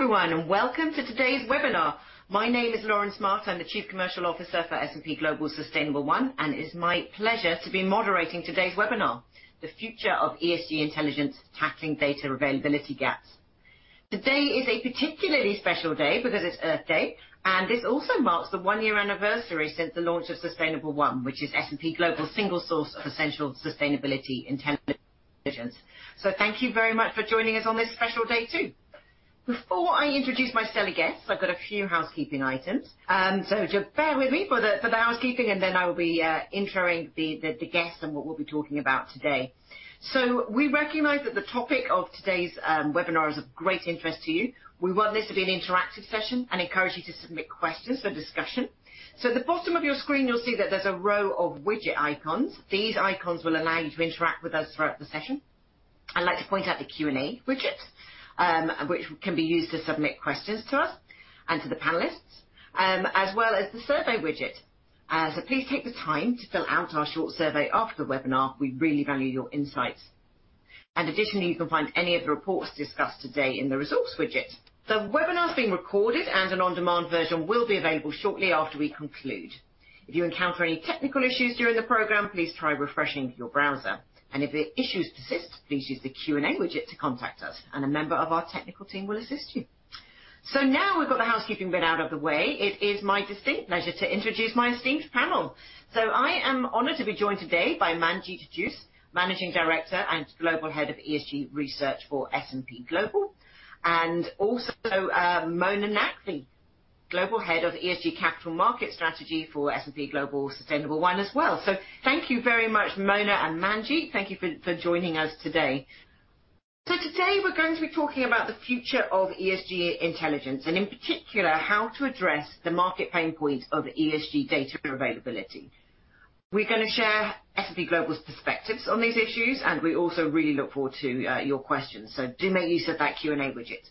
Hello everyone, and welcome to today's webinar. My name is Lauren Smart. I'm the Chief Commercial Officer for S&P Global Sustainable1, and it is my pleasure to be moderating today's webinar, The Future of ESG Intelligence: Tackling Data Availability Gaps. Today is a particularly special day because it's Earth Day, and this also marks the one-year anniversary since the launch of Sustainable1, which is S&P Global's single source of essential sustainability intelligence. Thank you very much for joining us on this special day too. Before I introduce my stellar guests, I've got a few housekeeping items. Just bear with me for the housekeeping, and then I will be introing the guests and what we'll be talking about today. We recognize that the topic of today's webinar is of great interest to you. We want this to be an interactive session and encourage you to submit questions for discussion. At the bottom of your screen, you'll see that there's a row of widget icons. These icons will allow you to interact with us throughout the session. I'd like to point out the Q&A widget, which can be used to submit questions to us and to the panelists, as well as the survey widget. Please take the time to fill out our short survey after the webinar. We really value your insights. Additionally, you can find any of the reports discussed today in the resource widget. The webinar is being recorded, and an on-demand version will be available shortly after we conclude. If you encounter any technical issues during the program, please try refreshing your browser. If the issues persist, please use the Q&A widget to contact us, and a member of our technical team will assist you. Now we've got the housekeeping bit out of the way. It is my distinct pleasure to introduce my esteemed panel. I am honored to be joined today by Manjit Jus, Managing Director and Global Head of ESG Research for S&P Global. Mona Naqvi, Global Head of ESG Capital Markets for S&P Global Sustainable1 as well. Thank you very much, Mona and Manjit. Thank you for joining us today. Today we're going to be talking about the future of ESG intelligence and in particular, how to address the market pain points of ESG data availability. We're gonna share S&P Global's perspectives on these issues, and we also really look forward to your questions. Do make use of that Q&A widget.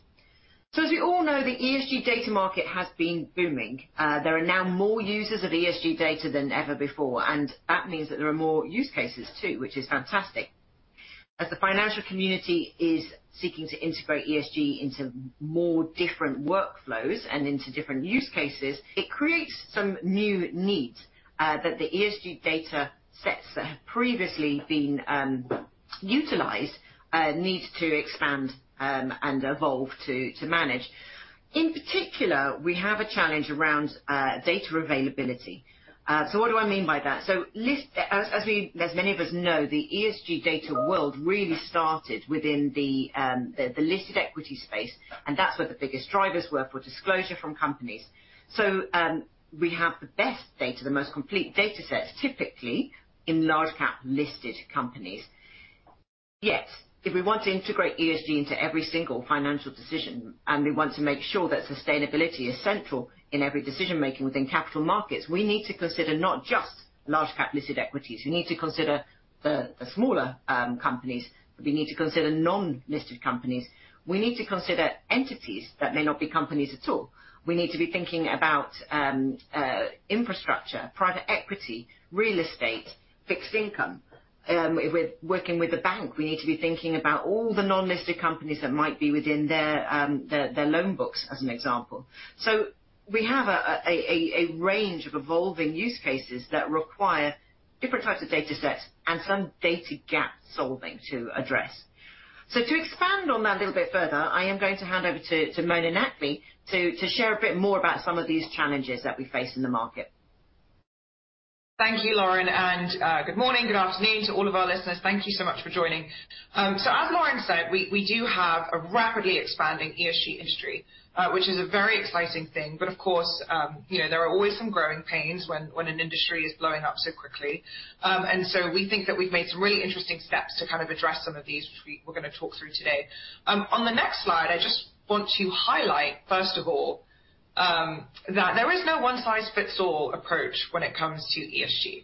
As we all know, the ESG data market has been booming. There are now more users of ESG data than ever before, and that means that there are more use cases too, which is fantastic. As the financial community is seeking to integrate ESG into more different workflows and into different use cases, it creates some new needs that the ESG datasets that have previously been utilized need to expand and evolve to manage. In particular, we have a challenge around data availability. What do I mean by that? As many of us know, the ESG data world really started within the listed equity space, and that's where the biggest drivers were for disclosure from companies. We have the best data, the most complete datasets, typically in large-cap listed companies. Yet, if we want to integrate ESG into every single financial decision, and we want to make sure that sustainability is central in every decision-making within capital markets, we need to consider not just large-cap listed equities. We need to consider the smaller companies. We need to consider non-listed companies. We need to consider entities that may not be companies at all. We need to be thinking about infrastructure, private equity, real estate, fixed income. Working with a bank, we need to be thinking about all the non-listed companies that might be within their loan books, as an example. We have a range of evolving use cases that require different types of datasets and some data gap-solving to address. To expand on that a little bit further, I am going to hand over to Mona Naqvi to share a bit more about some of these challenges that we face in the market. Thank you, Lauren, and good morning, good afternoon to all of our listeners. Thank you so much for joining. As Lauren said, we do have a rapidly expanding ESG industry, which is a very exciting thing. Of course, you know, there are always some growing pains when an industry is blowing up so quickly. We think that we've made some really interesting steps to kind of address some of these, which we're gonna talk through today. On the next slide, I just want to highlight, first of all, that there is no one size fits all approach when it comes to ESG.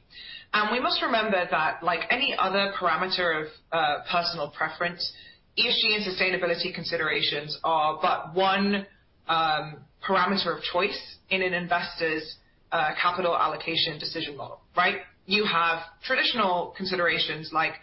We must remember that like any other parameter of personal preference, ESG and sustainability considerations are but one parameter of choice in an investor's capital allocation decision model, right? You have traditional considerations like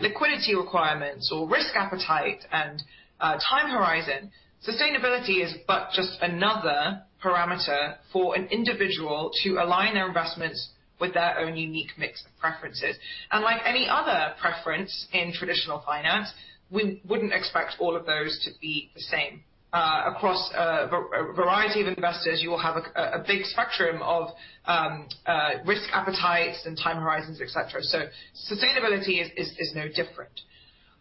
liquidity requirements or risk appetite and time horizon. Sustainability is but just another parameter for an individual to align their investments with their own unique mix of preferences. Like any other preference in traditional finance, we wouldn't expect all of those to be the same. Across a variety of investors, you will have a big spectrum of risk appetites and time horizons, etc. Sustainability is no different.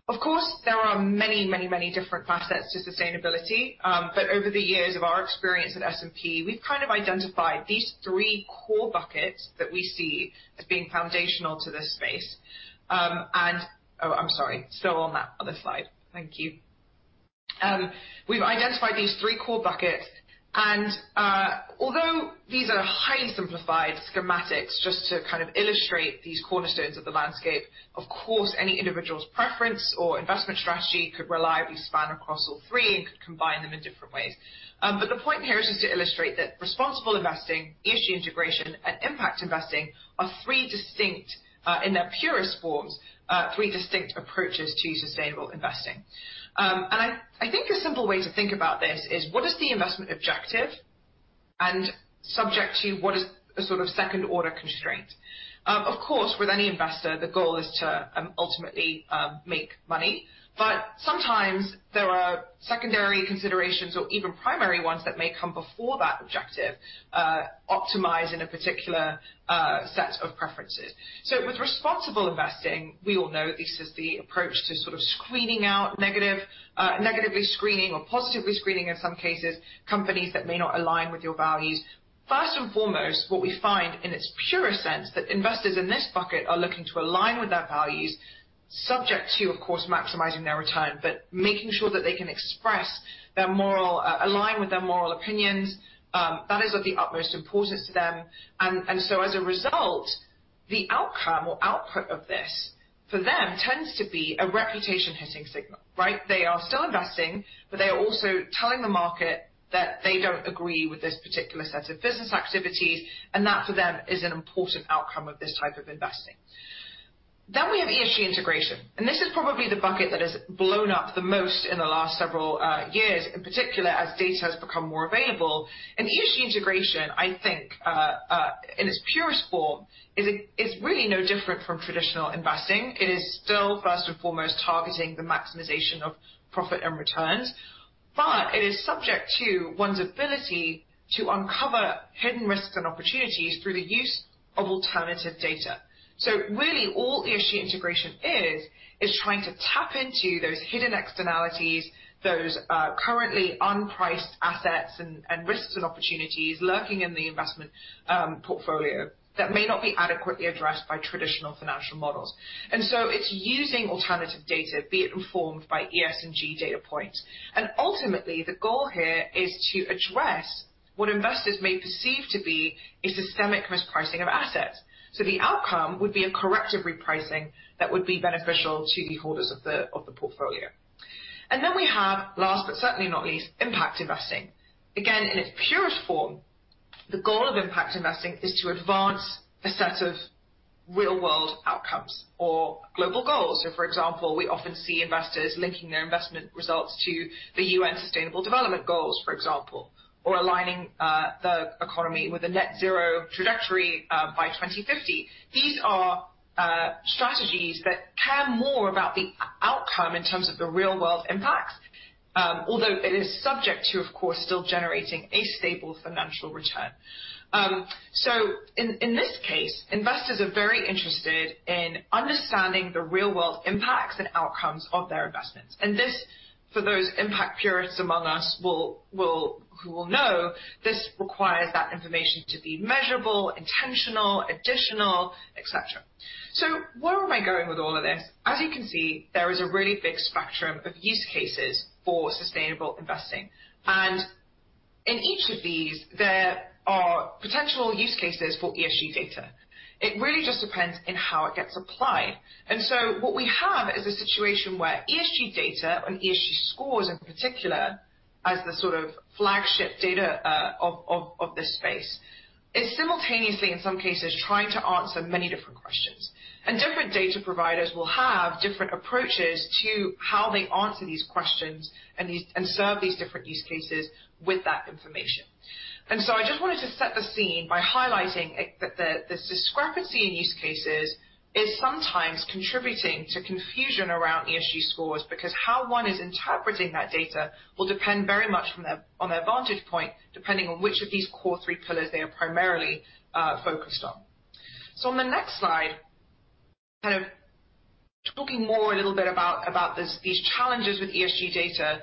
Of course, there are many different facets to sustainability. Over the years of our experience at S&P, we've kind of identified these three core buckets that we see as being foundational to this space. Oh, I'm sorry. Still on that other slide. Thank you. We've identified these three core buckets, and although these are highly simplified schematics, just to kind of illustrate these cornerstones of the landscape, of course, any individual's preference or investment strategy could reliably span across all three and could combine them in different ways. The point here is just to illustrate that responsible investing, ESG integration, and impact investing are three distinct, in their purest forms, three distinct approaches to sustainable investing. I think a simple way to think about this is: What is the investment objective? Subject to what is a sort of second order constraint. Of course, with any investor, the goal is to ultimately make money. Sometimes there are secondary considerations or even primary ones that may come before that objective, optimize in a particular set of preferences. With responsible investing, we all know this is the approach to sort of negatively screening or positively screening, in some cases, companies that may not align with your values. First and foremost, what we find in its purest sense, that investors in this bucket are looking to align with their values, subject to, of course, maximizing their return, but making sure that they can align with their moral opinions, that is of the utmost importance to them. As a result, the outcome or output of this for them tends to be a reputation hitting signal, right? They are still investing, but they are also telling the market that they don't agree with this particular set of business activities, and that, for them, is an important outcome of this type of investing. We have ESG integration, and this is probably the bucket that has blown up the most in the last several years, in particular, as data has become more available. ESG integration, I think, in its purest form, is really no different from traditional investing. It is still, first and foremost, targeting the maximization of profit and returns, but it is subject to one's ability to uncover hidden risks and opportunities through the use of alternative data. Really all ESG integration is trying to tap into those hidden externalities, those currently unpriced assets and risks and opportunities lurking in the investment portfolio that may not be adequately addressed by traditional financial models. It's using alternative data, be it informed by ESG data points. Ultimately, the goal here is to address what investors may perceive to be a systemic mispricing of assets. The outcome would be a corrective repricing that would be beneficial to the holders of the portfolio. Then we have last, but certainly not least, impact investing. Again, in its purest form, the goal of impact investing is to advance a set of real world outcomes or global goals. For example, we often see investors linking their investment results to the UN Sustainable Development Goals, for example, or aligning the economy with a net zero trajectory by 2050. These are strategies that care more about the outcome in terms of the real world impacts, although it is subject to, of course, still generating a stable financial return. In this case, investors are very interested in understanding the real-world impacts and outcomes of their investments. This, for those impact purists among us who will know this requires that information to be measurable, intentional, additional, etc. Where am I going with all of this? As you can see, there is a really big spectrum of use cases for sustainable investing. In each of these, there are potential use cases for ESG data. It really just depends on how it gets applied. What we have is a situation where ESG data and ESG scores, in particular, as the sort of flagship data of this space, is simultaneously in some cases trying to answer many different questions. Different data providers will have different approaches to how they answer these questions and serve these different use cases with that information. I just wanted to set the scene by highlighting it, that this discrepancy in use cases is sometimes contributing to confusion around ESG scores because how one is interpreting that data will depend very much on their vantage point depending on which of these core three pillars they are primarily focused on. On the next slide, kind of talking more a little bit about these challenges with ESG data.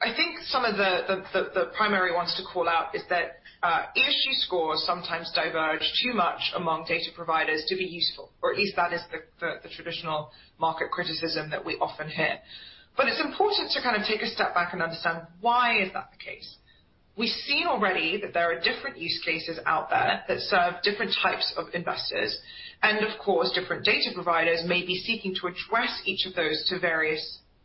I think some of the primary ones to call out is that ESG scores sometimes diverge too much among data providers to be useful, or at least that is the traditional market criticism that we often hear. It's important to kind of take a step back and understand why is that the case. We've seen already that there are different use cases out there that serve different types of investors, and of course, different data providers may be seeking to address each of those to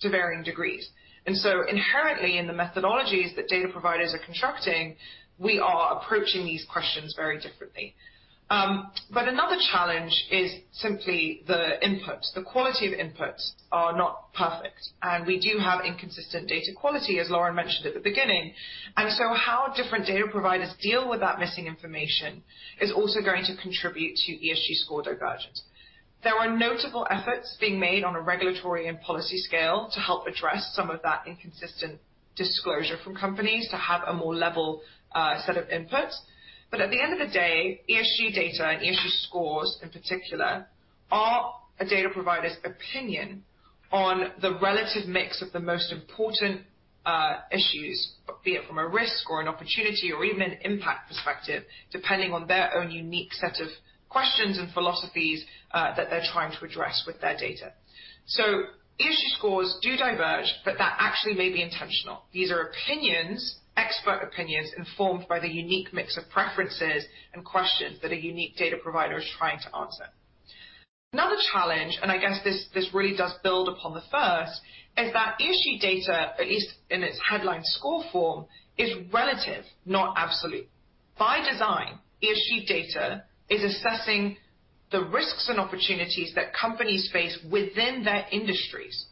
varying degrees. Inherently in the methodologies that data providers are constructing, we are approaching these questions very differently. Another challenge is simply the input. The quality of inputs are not perfect, and we do have inconsistent data quality, as Lauren mentioned at the beginning. How different data providers deal with that missing information is also going to contribute to ESG score divergence. There are notable efforts being made on a regulatory and policy scale to help address some of that inconsistent disclosure from companies to have a more level set of inputs. At the end of the day, ESG data and ESG scores in particular are a data provider's opinion on the relative mix of the most important issues, be it from a risk or an opportunity or even an impact perspective, depending on their own unique set of questions and philosophies that they're trying to address with their data. So ESG scores do diverge, but that actually may be intentional. These are opinions, expert opinions informed by the unique mix of preferences and questions that a unique data provider is trying to answer. Another challenge, and I guess this really does build upon the first, is that ESG data, at least in its headline score form, is relative, not absolute. By design, ESG data is assessing the risks and opportunities that companies face within their industries.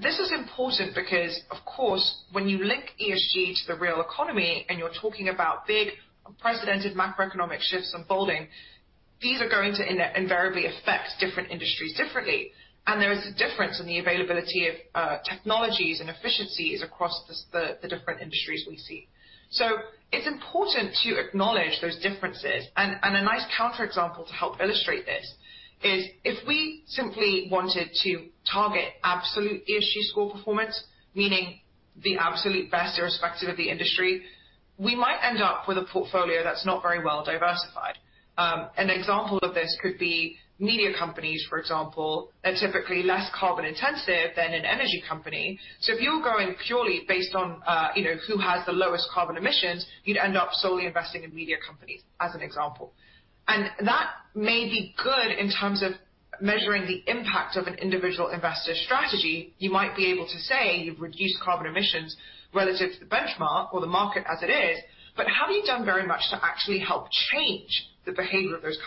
This is important because, of course, when you link ESG to the real economy and you're talking about big, unprecedented macroeconomic shifts unfolding, these are going to invariably affect different industries differently. There is a difference in the availability of technologies and efficiencies across the different industries we see. It's important to acknowledge those differences. A nice counterexample to help illustrate this is if we simply wanted to target absolute ESG score performance, meaning the absolute best irrespective of the industry, we might end up with a portfolio that's not very well diversified. An example of this could be media companies, for example, are typically less carbon intensive than an energy company. If you're going purely based on you know, who has the lowest carbon emissions, you'd end up solely investing in media companies as an example. That may be good in terms of measuring the impact of an individual investor's strategy. You might be able to say you've reduced carbon emissions relative to the benchmark or the market as it is, but have you done very much to actually help change the behavior of those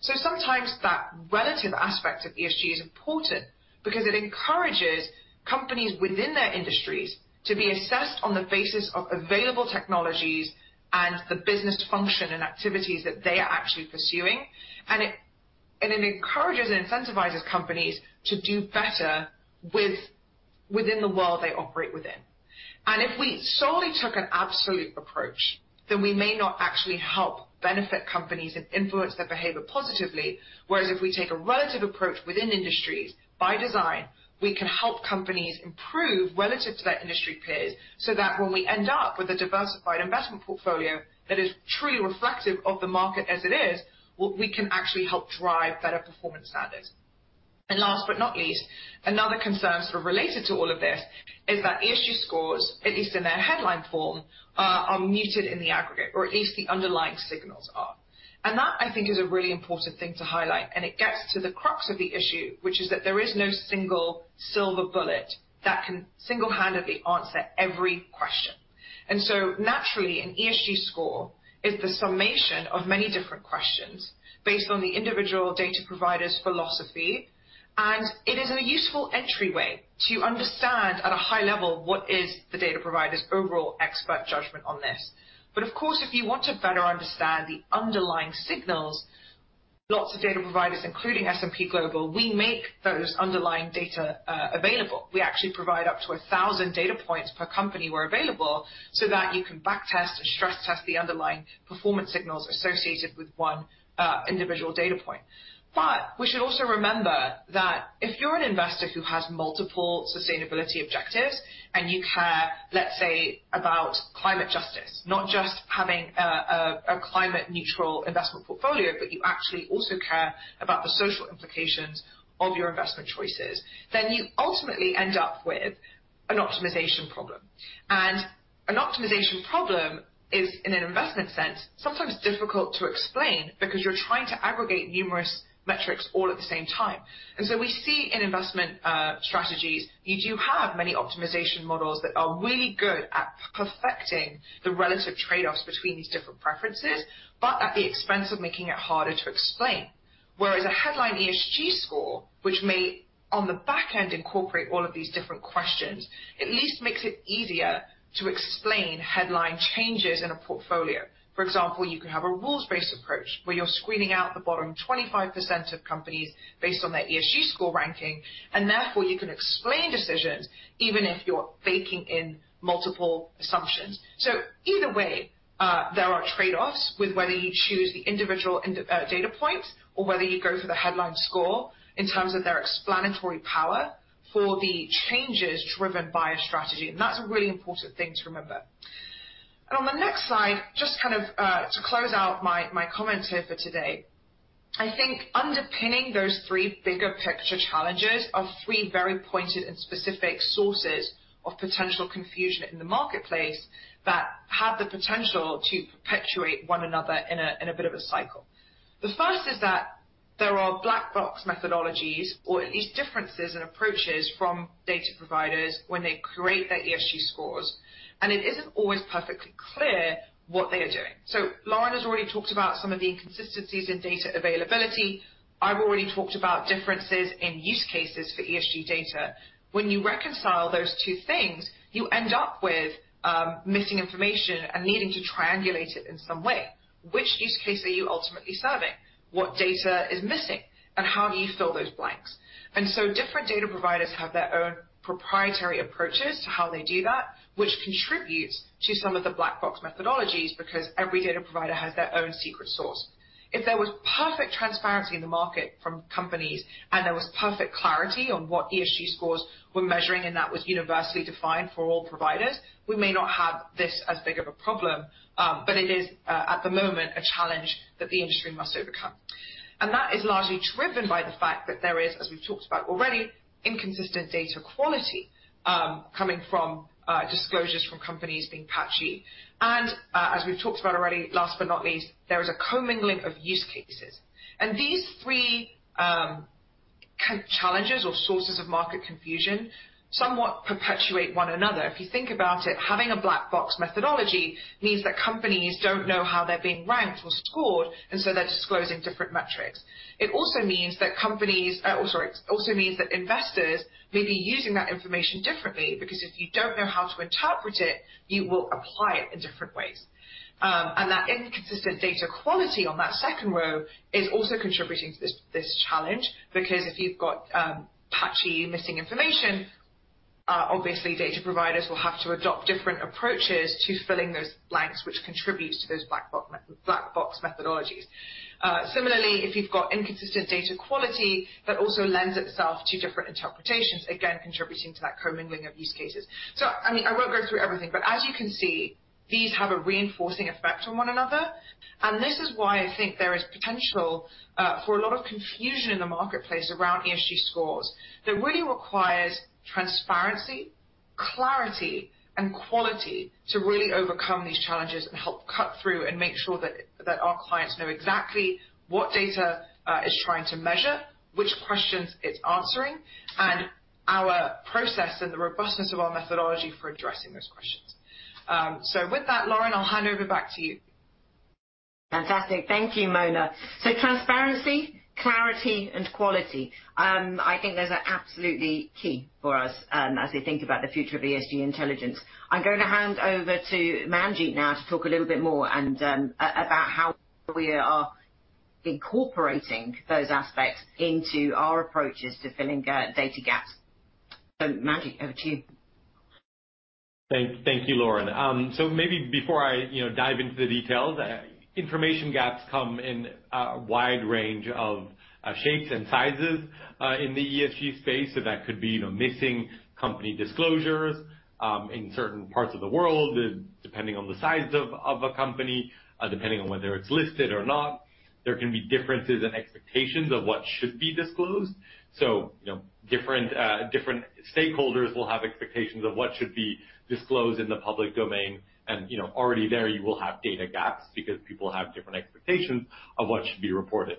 companies? Sometimes that relative aspect of ESG is important because it encourages companies within their industries to be assessed on the basis of available technologies and the business function and activities that they are actually pursuing. It encourages and incentivizes companies to do better within the world they operate within. If we solely took an absolute approach, then we may not actually help benefit companies and influence their behavior positively. Whereas if we take a relative approach within industries, by design, we can help companies improve relative to their industry peers so that when we end up with a diversified investment portfolio that is truly reflective of the market as it is, we can actually help drive better performance standards. Last but not least, another concern sort of related to all of this is that ESG scores, at least in their headline form, are muted in the aggregate, or at least the underlying signals are. That, I think, is a really important thing to highlight, and it gets to the crux of the issue, which is that there is no single silver bullet that can single-handedly answer every question. Naturally, an ESG score is the summation of many different questions based on the individual data provider's philosophy, and it is a useful entryway to understand at a high level what is the data provider's overall expert judgment on this. Of course, if you want to better understand the underlying signals, lots of data providers, including S&P Global, we make those underlying data, available. We actually provide up to 1,000 data points per company where available, so that you can back test and stress test the underlying performance signals associated with one, individual data point. We should also remember that if you're an investor who has multiple sustainability objectives and you care, let's say, about climate justice, not just having a climate neutral investment portfolio, but you actually also care about the social implications of your investment choices, then you ultimately end up with an optimization problem. An optimization problem is, in an investment sense, sometimes difficult to explain because you're trying to aggregate numerous metrics all at the same time. We see in investment strategies, you do have many optimization models that are really good at perfecting the relative trade-offs between these different preferences, but at the expense of making it harder to explain. Whereas a headline ESG score, which may on the back end incorporate all of these different questions, at least makes it easier to explain headline changes in a portfolio. For example, you could have a rules-based approach where you're screening out the bottom 25% of companies based on their ESG score ranking, and therefore you can explain decisions even if you're baking in multiple assumptions. Either way, there are trade-offs with whether you choose the individual data point or whether you go for the headline score in terms of their explanatory power for the changes driven by a strategy. That's a really important thing to remember. On the next slide, just kind of, to close out my comments here for today, I think underpinning those three bigger picture challenges are three very pointed and specific sources of potential confusion in the marketplace that have the potential to perpetuate one another in a bit of a cycle. The first is that there are black box methodologies or at least differences in approaches from data providers when they create their ESG scores, and it isn't always perfectly clear what they are doing. Lauren has already talked about some of the inconsistencies in data availability. I've already talked about differences in use cases for ESG data. When you reconcile those two things, you end up with missing information and needing to triangulate it in some way. Which use case are you ultimately serving? What data is missing, and how do you fill those blanks? Different data providers have their own proprietary approaches to how they do that, which contributes to some of the black box methodologies because every data provider has their own secret source. If there was perfect transparency in the market from companies and there was perfect clarity on what ESG scores were measuring, and that was universally defined for all providers, we may not have this as big of a problem, but it is, at the moment, a challenge that the industry must overcome. That is largely driven by the fact that there is, as we've talked about already, inconsistent data quality, coming from disclosures from companies being patchy. As we've talked about already, last but not least, there is a commingling of use cases. These three, can challenges or sources of market confusion somewhat perpetuate one another? If you think about it, having a black box methodology means that companies don't know how they're being ranked or scored, and so they're disclosing different metrics. It also means that investors may be using that information differently because if you don't know how to interpret it, you will apply it in different ways. That inconsistent data quality on that second row is also contributing to this challenge because if you've got patchy missing information, obviously data providers will have to adopt different approaches to filling those blanks, which contributes to those black box methodologies. Similarly, if you've got inconsistent data quality, that also lends itself to different interpretations, again, contributing to that co-mingling of use cases. I mean, I won't go through everything, but as you can see, these have a reinforcing effect on one another. This is why I think there is potential for a lot of confusion in the marketplace around ESG scores that really requires transparency, clarity, and quality to really overcome these challenges and help cut through and make sure that our clients know exactly what data is trying to measure, which questions it's answering, and our process and the robustness of our methodology for addressing those questions. With that, Lauren, I'll hand over back to you. Fantastic. Thank you, Mona. Transparency, clarity, and quality. I think those are absolutely key for us, as we think about the future of ESG intelligence. I'm going to hand over to Manjit now to talk a little bit more and, about how we are incorporating those aspects into our approaches to filling data gaps. Manjit, over to you. Thank you, Lauren. Maybe before I, you know, dive into the details, information gaps come in a wide range of shapes and sizes in the ESG space. That could be, you know, missing company disclosures in certain parts of the world, depending on the size of a company, depending on whether it's listed or not. There can be differences in expectations of what should be disclosed. You know, different stakeholders will have expectations of what should be disclosed in the public domain. You know, already there you will have data gaps because people have different expectations of what should be reported.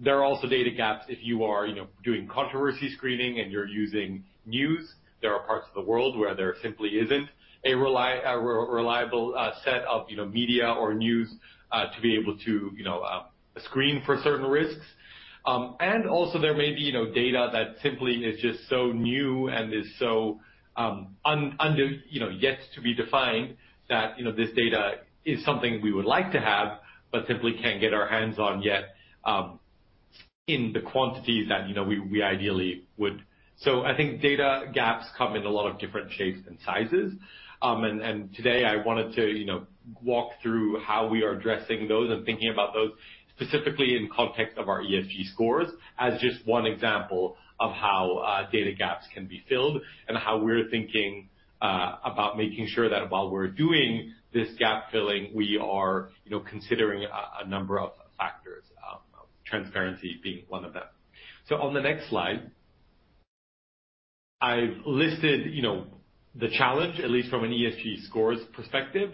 There are also data gaps if you are, you know, doing controversy screening and you're using news. There are parts of the world where there simply isn't a reliable set of, you know, media or news to be able to, you know, screen for certain risks. Also there may be, you know, data that simply is just so under, you know, yet to be defined that, you know, this data is something we would like to have, but simply can't get our hands on yet in the quantities that, you know, we ideally would. I think data gaps come in a lot of different shapes and sizes. Today I wanted to, you know, walk through how we are addressing those and thinking about those specifically in context of our ESG scores as just one example of how data gaps can be filled and how we're thinking about making sure that while we're doing this gap filling, we are, you know, considering a number of factors, transparency being one of them. On the next slide, I've listed, you know, the challenge, at least from an ESG scores perspective.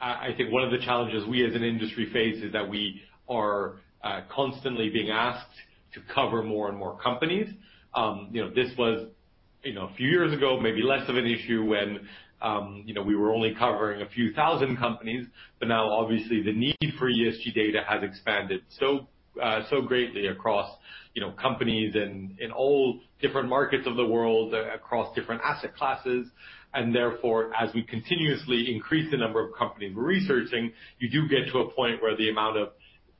I think one of the challenges we as an industry face is that we are constantly being asked to cover more and more companies. You know, this was, you know, a few years ago, maybe less of an issue when, you know, we were only covering a few thousand companies. Now, obviously, the need for ESG data has expanded so greatly across, you know, companies and in all different markets of the world, across different asset classes. Therefore, as we continuously increase the number of companies we're researching, you do get to a point where the amount of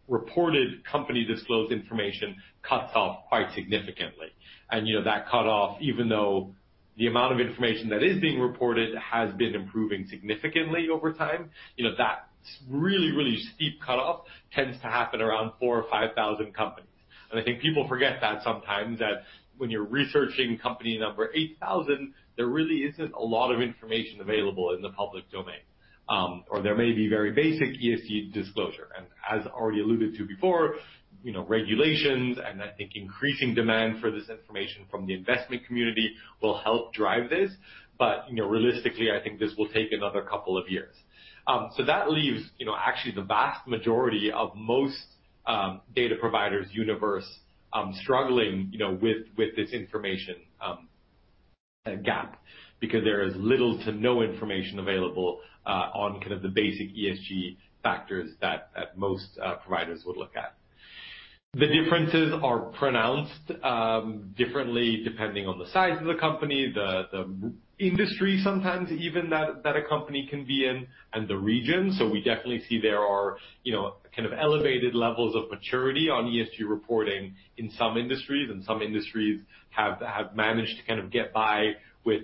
reported company disclosed information cuts off quite significantly. You know, that cut off, even though the amount of information that is being reported has been improving significantly over time, you know, that really steep cut-off tends to happen around four or five thousand companies. I think people forget that sometimes when you're researching company number 8,000, there really isn't a lot of information available in the public domain, or there may be very basic ESG disclosure. As already alluded to before, you know, regulations, and I think increasing demand for this information from the investment community will help drive this. But, you know, realistically, I think this will take another couple of years. So that leaves, you know, actually the vast majority of most data providers universe struggling, you know, with this information gap because there is little to no information available on kind of the basic ESG factors that most providers would look at. The differences are pronounced differently depending on the size of the company, the industry sometimes even that a company can be in and the region. We definitely see there are, you know, kind of elevated levels of maturity on ESG reporting in some industries, and some industries have managed to kind of get by with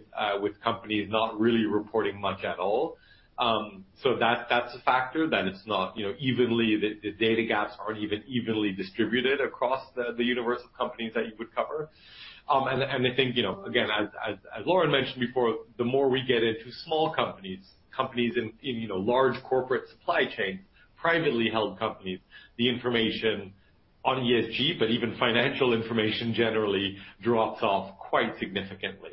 companies not really reporting much at all. That's a factor. The data gaps aren't even evenly distributed across the universe of companies that you would cover. I think, you know, again, as Lauren mentioned before, the more we get into small companies in, you know, large corporate supply chains, privately held companies, the information on ESG, but even financial information generally drops off quite significantly.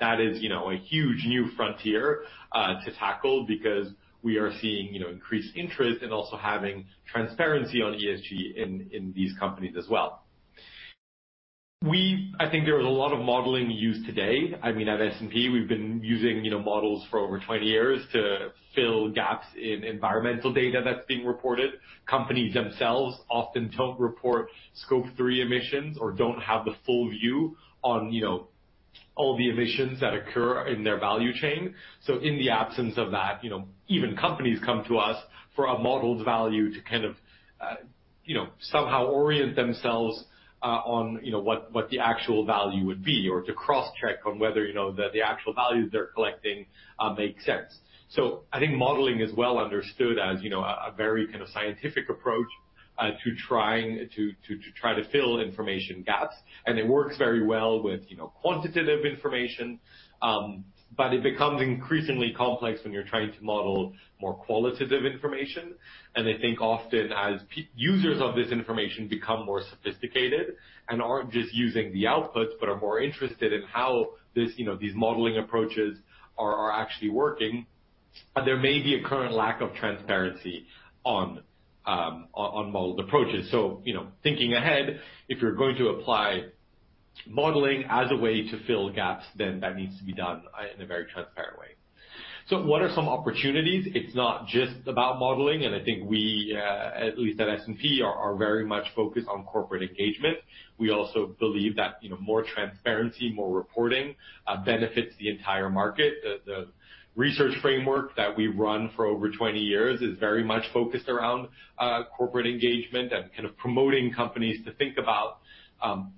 That is, you know, a huge new frontier to tackle because we are seeing, you know, increased interest and also having transparency on ESG in these companies as well. I think there is a lot of modeling used today. I mean, at S&P, we've been using, you know, models for over 20 years to fill gaps in environmental data that's being reported. Companies themselves often don't report Scope 3 emissions or don't have the full view on, you know, all the emissions that occur in their value chain. In the absence of that, you know, even companies come to us for a modeled value to kind of, you know, somehow orient themselves on, you know, what the actual value would be or to cross-check on whether, you know, the actual values they're collecting makes sense. I think modeling is well understood as, you know, a very kind of scientific approach to try to fill information gaps. It works very well with, you know, quantitative information. It becomes increasingly complex when you're trying to model more qualitative information. I think often as users of this information become more sophisticated and aren't just using the outputs but are more interested in how this, you know, these modeling approaches are actually working, there may be a current lack of transparency on modeled approaches. You know, thinking ahead, if you're going to apply modeling as a way to fill gaps, then that needs to be done in a very transparent way. What are some opportunities? It's not just about modeling, and I think we at least at S&P are very much focused on corporate engagement. We also believe that, you know, more transparency, more reporting benefits the entire market. The research framework that we run for over 20 years is very much focused around corporate engagement and kind of promoting companies to think about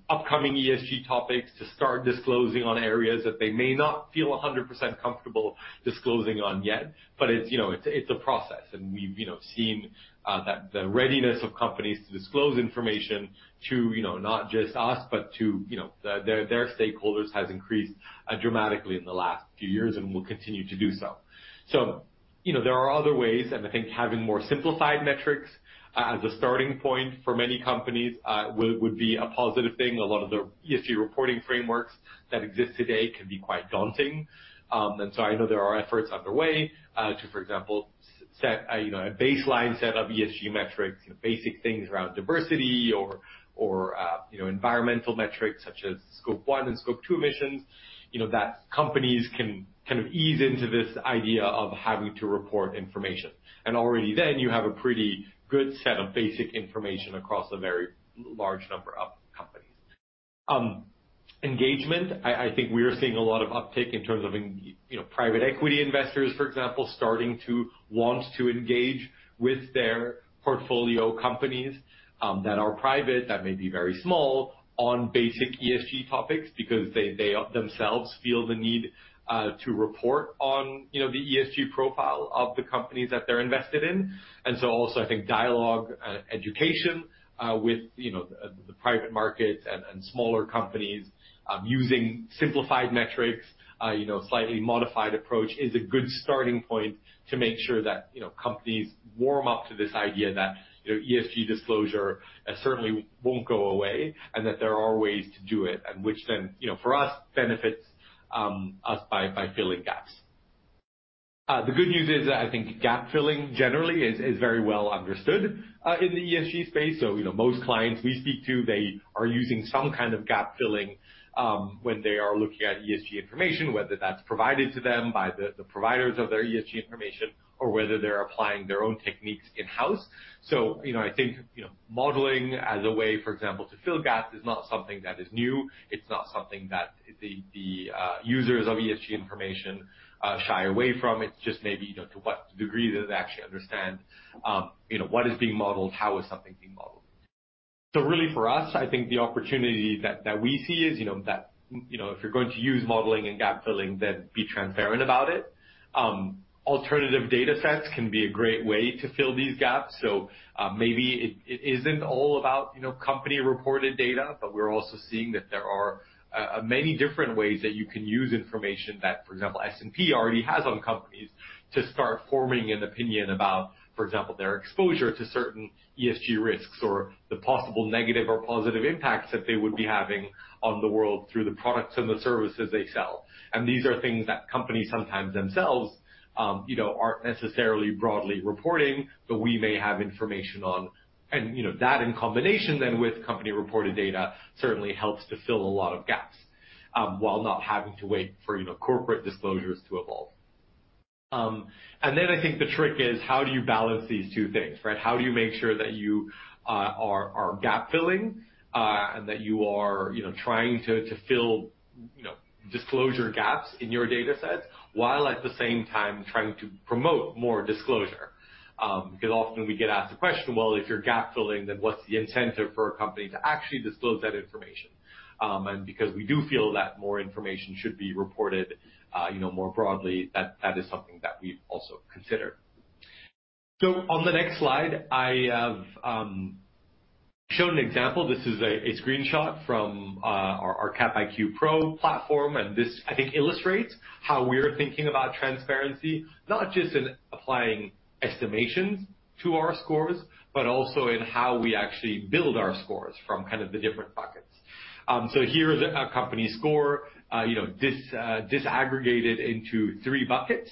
upcoming ESG topics, to start disclosing on areas that they may not feel 100% comfortable disclosing on yet. It's a process, and we've seen that the readiness of companies to disclose information to not just us, but to their stakeholders, has increased dramatically in the last few years and will continue to do so. You know, there are other ways, and I think having more simplified metrics as a starting point for many companies would be a positive thing. A lot of the ESG reporting frameworks that exist today can be quite daunting. I know there are efforts underway to, for example, set a you know, a baseline set of ESG metrics, you know, basic things around diversity or you know, environmental metrics such as Scope 1 and Scope 2 emissions, you know, that companies can kind of ease into this idea of having to report information. Already then you have a pretty good set of basic information across a very large number of companies. I think we are seeing a lot of uptake in terms of, you know, private equity investors, for example, starting to want to engage with their portfolio companies that are private, that may be very small on basic ESG topics because they themselves feel the need to report on, you know, the ESG profile of the companies that they're invested in. Also I think dialogue and education with, you know, the private markets and smaller companies using simplified metrics, you know, slightly modified approach is a good starting point to make sure that, you know, companies warm up to this idea that, you know, ESG disclosure certainly won't go away and that there are ways to do it, and which then, you know, for us benefits us by filling gaps. The good news is that I think gap filling generally is very well understood in the ESG space. You know, most clients we speak to, they are using some kind of gap filling when they are looking at ESG information, whether that's provided to them by the providers of their ESG information or whether they're applying their own techniques in-house. You know, I think, you know, modeling as a way, for example, to fill gaps is not something that is new. It's not something that the users of ESG information shy away from. It's just maybe, you know, to what degree do they actually understand, you know, what is being modeled, how is something being modeled? Really for us, I think the opportunity that we see is, you know, that, you know, if you're going to use modeling and gap filling, then be transparent about it. Alternative datasets can be a great way to fill these gaps. Maybe it isn't all about, you know, company-reported data, but we're also seeing that there are many different ways that you can use information that, for example, S&P already has on companies to start forming an opinion about, for example, their exposure to certain ESG risks or the possible negative or positive impacts that they would be having on the world through the products and the services they sell. These are things that companies sometimes themselves, you know, aren't necessarily broadly reporting, but we may have information on. You know, that in combination then with company-reported data certainly helps to fill a lot of gaps, while not having to wait for, you know, corporate disclosures to evolve. I think the trick is how do you balance these two things, right? How do you make sure that you are gap filling, and that you are, you know, trying to fill, you know, disclosure gaps in your datasets, while at the same time trying to promote more disclosure? Because often we get asked the question, well, if you're gap filling, then what's the incentive for a company to actually disclose that information? Because we do feel that more information should be reported, you know, more broadly, that is something that we also consider. On the next slide, I have shown an example. This is a screenshot from our S&P Capital IQ Pro platform. This I think illustrates how we're thinking about transparency, not just in applying estimations to our scores, but also in how we actually build our scores from kind of the different buckets. Here is a company score, you know, disaggregated into three buckets.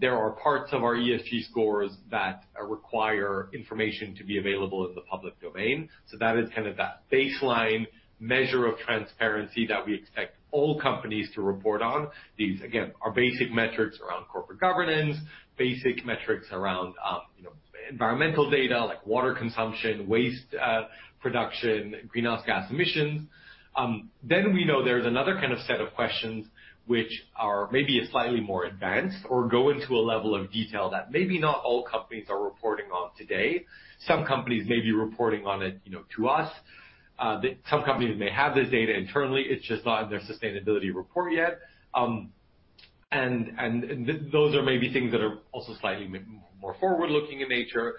There are parts of our ESG scores that require information to be available in the public domain. That is kind of that baseline measure of transparency that we expect all companies to report on. These, again, are basic metrics around corporate governance, basic metrics around, you know, environmental data like water consumption, waste, production, greenhouse gas emissions. We know there's another kind of set of questions which are maybe slightly more advanced or go into a level of detail that maybe not all companies are reporting on today. Some companies may be reporting on it, you know, to us. Some companies may have this data internally, it's just not in their sustainability report yet. Those are maybe things that are also slightly more forward-looking in nature.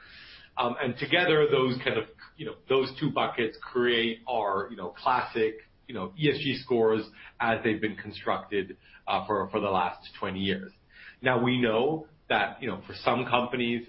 Together, those kind of, you know, those two buckets create our, you know, classic, you know, ESG scores as they've been constructed for the last 20 years. Now, we know that, you know, for some companies,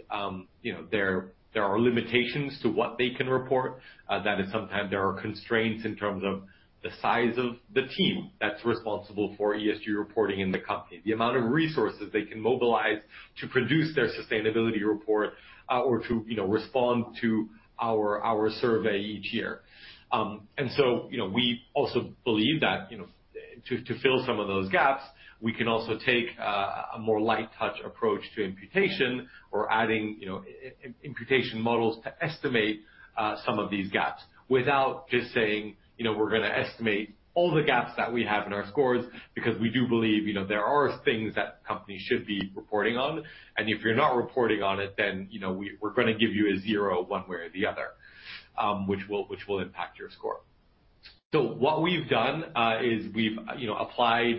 you know, there are limitations to what they can report. That is sometimes there are constraints in terms of the size of the team that's responsible for ESG reporting in the company, the amount of resources they can mobilize to produce their sustainability report, or to, you know, respond to our survey each year. you know, we also believe that, you know, to fill some of those gaps, we can also take a more light touch approach to imputation or adding, you know, imputation models to estimate some of these gaps without just saying, you know, we're gonna estimate all the gaps that we have in our scores because we do believe, you know, there are things that companies should be reporting on, and if you're not reporting on it, then, you know, we're gonna give you a zero one way or the other, which will impact your score. What we've done is we've, you know, applied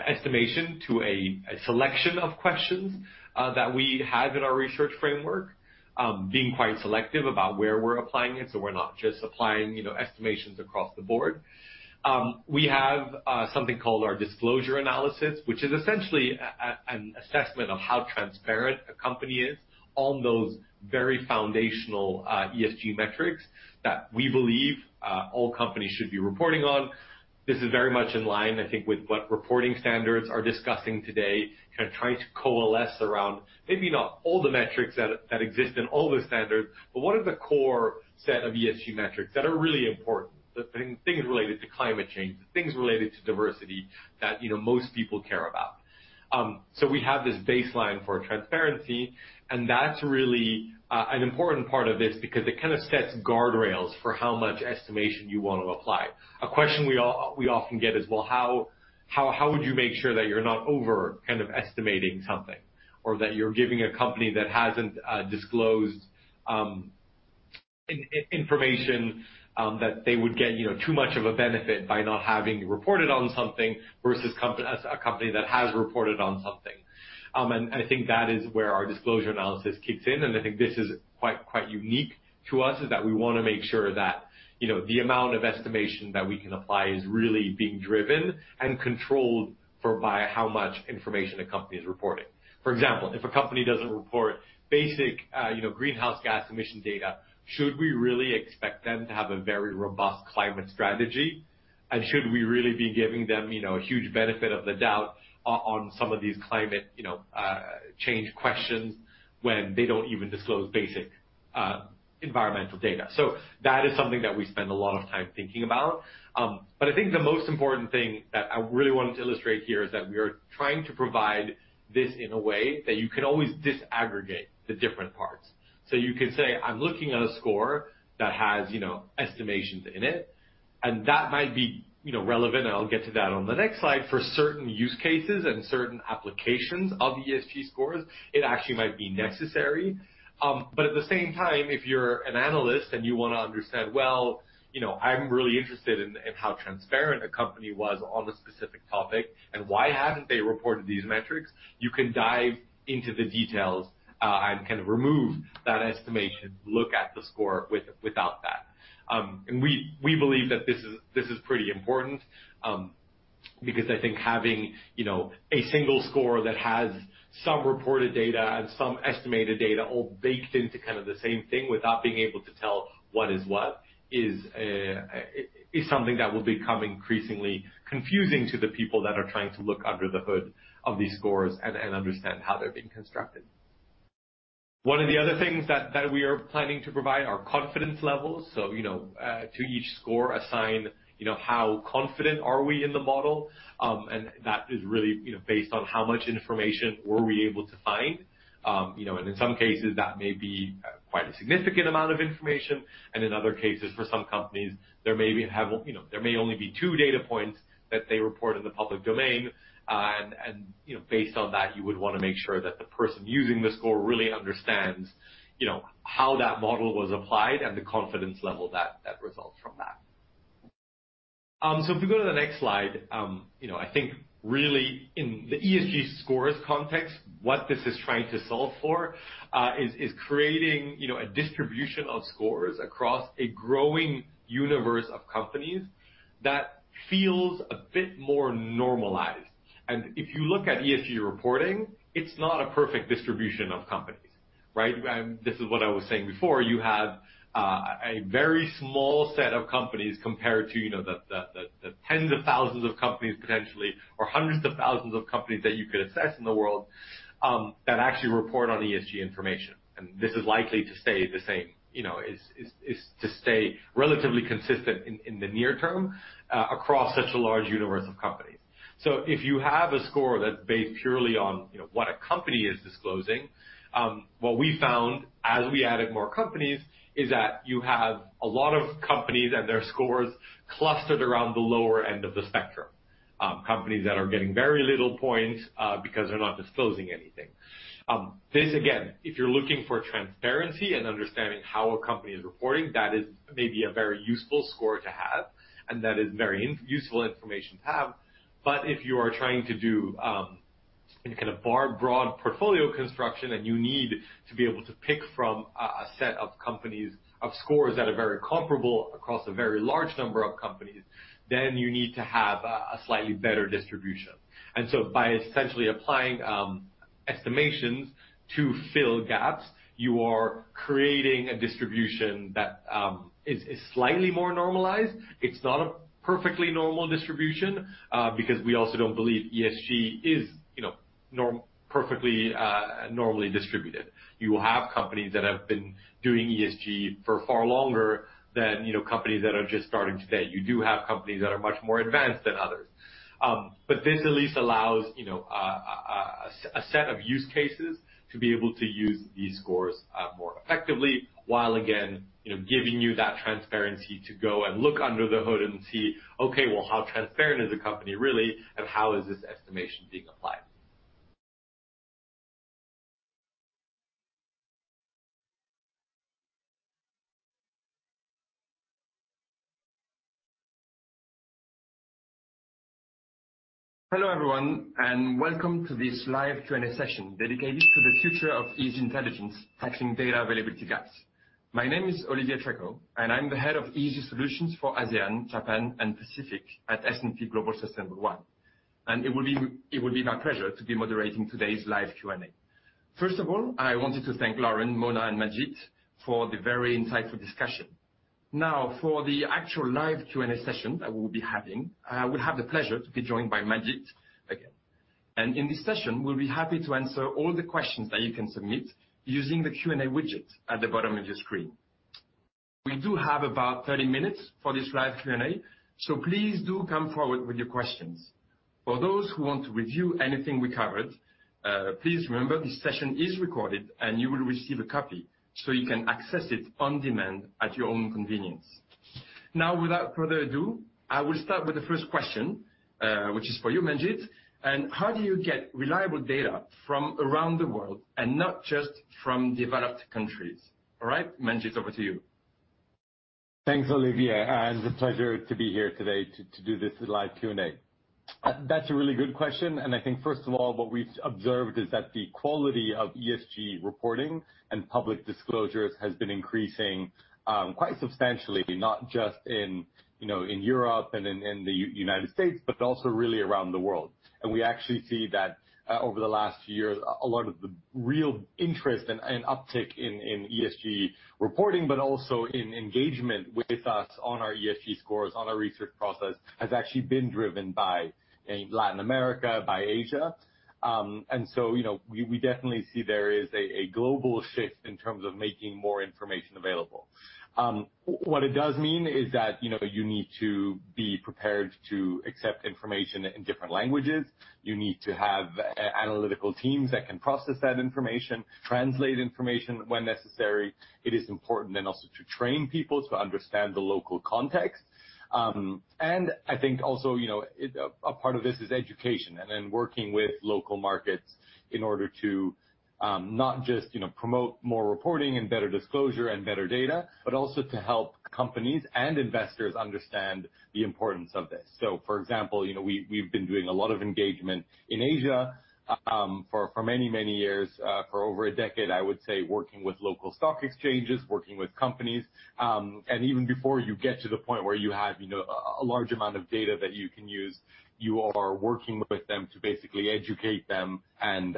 estimation to a selection of questions that we have in our research framework, being quite selective about where we're applying it, so we're not just applying, you know, estimations across the board. We have something called our disclosure analysis, which is essentially an assessment of how transparent a company is on those very foundational ESG metrics that we believe all companies should be reporting on. This is very much in line, I think, with what reporting standards are discussing today, kind of trying to coalesce around maybe not all the metrics that exist in all the standards, but what are the core set of ESG metrics that are really important, things related to climate change, things related to diversity that, you know, most people care about. We have this baseline for transparency, and that's really an important part of this because it kind of sets guardrails for how much estimation you want to apply. A question we often get is, well, how would you make sure that you're not over kind of estimating something or that you're giving a company that hasn't disclosed information that they would get, you know, too much of a benefit by not having reported on something versus a company that has reported on something? I think that is where our disclosure analysis kicks in, and I think this is quite unique to us, is that we wanna make sure that, you know, the amount of estimation that we can apply is really being driven and controlled for by how much information a company is reporting. For example, if a company doesn't report basic, you know, greenhouse gas emission data, should we really expect them to have a very robust climate strategy? Should we really be giving them, you know, a huge benefit of the doubt on some of these climate, you know, change questions when they don't even disclose basic environmental data? That is something that we spend a lot of time thinking about. But I think the most important thing that I really wanted to illustrate here is that we are trying to provide this in a way that you can always disaggregate the different parts. You could say, I'm looking at a score that has, you know, estimations in it, and that might be, you know, relevant, and I'll get to that on the next slide. For certain use cases and certain applications of ESG scores, it actually might be necessary. At the same time, if you're an analyst and you wanna understand, well, you know, I'm really interested in how transparent a company was on a specific topic and why haven't they reported these metrics, you can dive into the details and kind of remove that estimation, look at the score without that. We believe that this is pretty important because I think having, you know, a single score that has some reported data and some estimated data all baked into kind of the same thing without being able to tell what is what is something that will become increasingly confusing to the people that are trying to look under the hood of these scores and understand how they're being constructed. One of the other things that we are planning to provide are confidence levels. To each score we assign you know how confident are we in the model. That is really you know based on how much information we were able to find. You know in some cases that may be quite a significant amount of information, and in other cases, for some companies, there may only be two data points that they report in the public domain. You know based on that, you would wanna make sure that the person using the score really understands you know how that model was applied and the confidence level that results from that. If we go to the next slide, you know, I think really in the ESG scores context, what this is trying to solve for is creating, you know, a distribution of scores across a growing universe of companies that feels a bit more normalized. If you look at ESG reporting, it's not a perfect distribution of companies. Right, this is what I was saying before. You have a very small set of companies compared to, you know, the tens of thousands of companies potentially, or hundreds of thousands of companies that you could assess in the world, that actually report on ESG information. This is likely to stay the same. You know, is to stay relatively consistent in the near term, across such a large universe of companies. If you have a score that's based purely on, you know, what a company is disclosing, what we found as we added more companies is that you have a lot of companies and their scores clustered around the lower end of the spectrum. Companies that are getting very little points, because they're not disclosing anything. This again, if you're looking for transparency and understanding how a company is reporting, that is maybe a very useful score to have, and that is very useful information to have. If you are trying to do, you know, kind of a broad portfolio construction, and you need to be able to pick from a set of company scores that are very comparable across a very large number of companies, then you need to have a slightly better distribution. By essentially applying estimations to fill gaps, you are creating a distribution that is slightly more normalized. It's not a perfectly normal distribution, because we also don't believe ESG is, you know, perfectly normally distributed. You will have companies that have been doing ESG for far longer than, you know, companies that are just starting today. You do have companies that are much more advanced than others. But this at least allows, you know, a set of use cases to be able to use these scores more effectively, while again, you know, giving you that transparency to go and look under the hood and see, okay, well, how transparent is the company really, and how is this estimation being applied? Hello, everyone, and welcome to this live Q&A session dedicated to the future of ESG intelligence, tackling data availability gaps. My name is Olivier Trecco, and I'm the Head of ESG Solutions for ASEAN, Japan and Pacific at S&P Global Sustainable1. It will be my pleasure to be moderating today's live Q&A. First of all, I wanted to thank Lauren, Mona and Manjit for the very insightful discussion. Now, for the actual live Q&A session that we'll be having, I will have the pleasure to be joined by Manjit again. In this session, we'll be happy to answer all the questions that you can submit using the Q&A widget at the bottom of your screen. We do have about 30 minutes for this live Q&A, so please do come forward with your questions. For those who want to review anything we covered, please remember this session is recorded and you will receive a copy, so you can access it on demand at your own convenience. Now, without further ado, I will start with the first question, which is for you, Manjit. How do you get reliable data from around the world and not just from developed countries? All right, Manjit, over to you. Thanks, Olivier, and it's a pleasure to be here today to do this live Q&A. That's a really good question, and I think first of all, what we've observed is that the quality of ESG reporting and public disclosures has been increasing quite substantially, not just in, you know, in Europe and in the United States, but also really around the world. We actually see that over the last year, a lot of the real interest and uptick in ESG reporting, but also in engagement with us on our ESG scores, on our research process, has actually been driven by Latin America, by Asia. You know, we definitely see there is a global shift in terms of making more information available. What it does mean is that, you know, you need to be prepared to accept information in different languages. You need to have analytical teams that can process that information, translate information when necessary. It is important then also to train people to understand the local context. I think also, you know, a part of this is education and then working with local markets in order to, not just, you know, promote more reporting and better disclosure and better data, but also to help companies and investors understand the importance of this. For example, you know, we've been doing a lot of engagement in Asia, for many years, for over a decade, I would say, working with local stock exchanges, working with companies. Even before you get to the point where you have, you know, a large amount of data that you can use, you are working with them to basically educate them and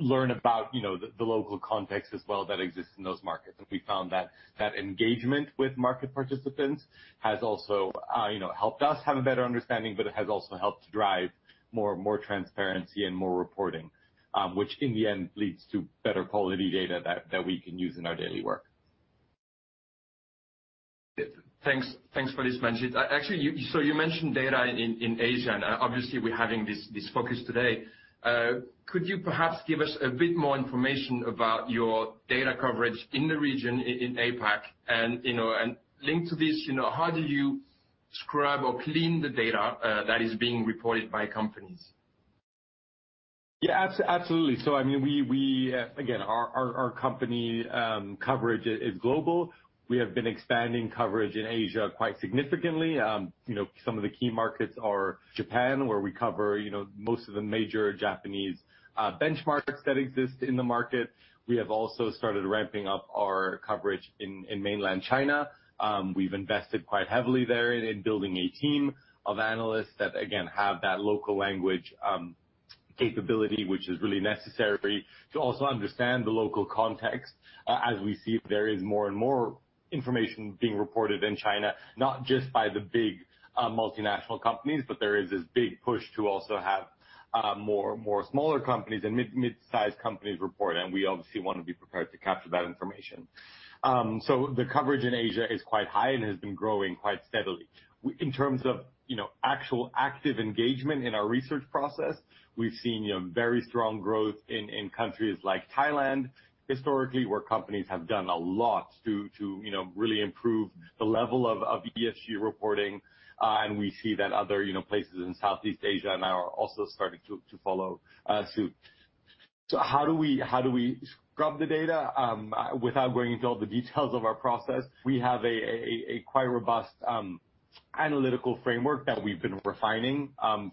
learn about, you know, the local context as well that exists in those markets. We found that engagement with market participants has also, you know, helped us have a better understanding, but it has also helped to drive more transparency and more reporting, which in the end leads to better quality data that we can use in our daily work. Thanks. Thanks for this, Manjit Jus. Actually, you mentioned data in Asia, and obviously, we're having this focus today. Could you perhaps give us a bit more information about your data coverage in the region in APAC? You know, and linked to this, you know, how do you scrub or clean the data that is being reported by companies? Yeah. Absolutely. I mean, we again, our company coverage is global. We have been expanding coverage in Asia quite significantly. You know, some of the key markets are Japan, where we cover you know, most of the major Japanese benchmarks that exist in the market. We have also started ramping up our coverage in Mainland China. We've invested quite heavily there in building a team of analysts that again, have that local language capability which is really necessary to also understand the local context, as we see there is more and more information being reported in China, not just by the big multinational companies, but there is this big push to also have more smaller companies and mid-sized companies report, and we obviously wanna be prepared to capture that information. The coverage in Asia is quite high and has been growing quite steadily. In terms of, you know, actual active engagement in our research process, we've seen, you know, very strong growth in countries like Thailand, historically where companies have done a lot to, you know, really improve the level of ESG reporting, and we see that other, you know, places in Southeast Asia now are also starting to follow suit. How do we scrub the data? Without going into all the details of our process, we have a quite robust analytical framework that we've been refining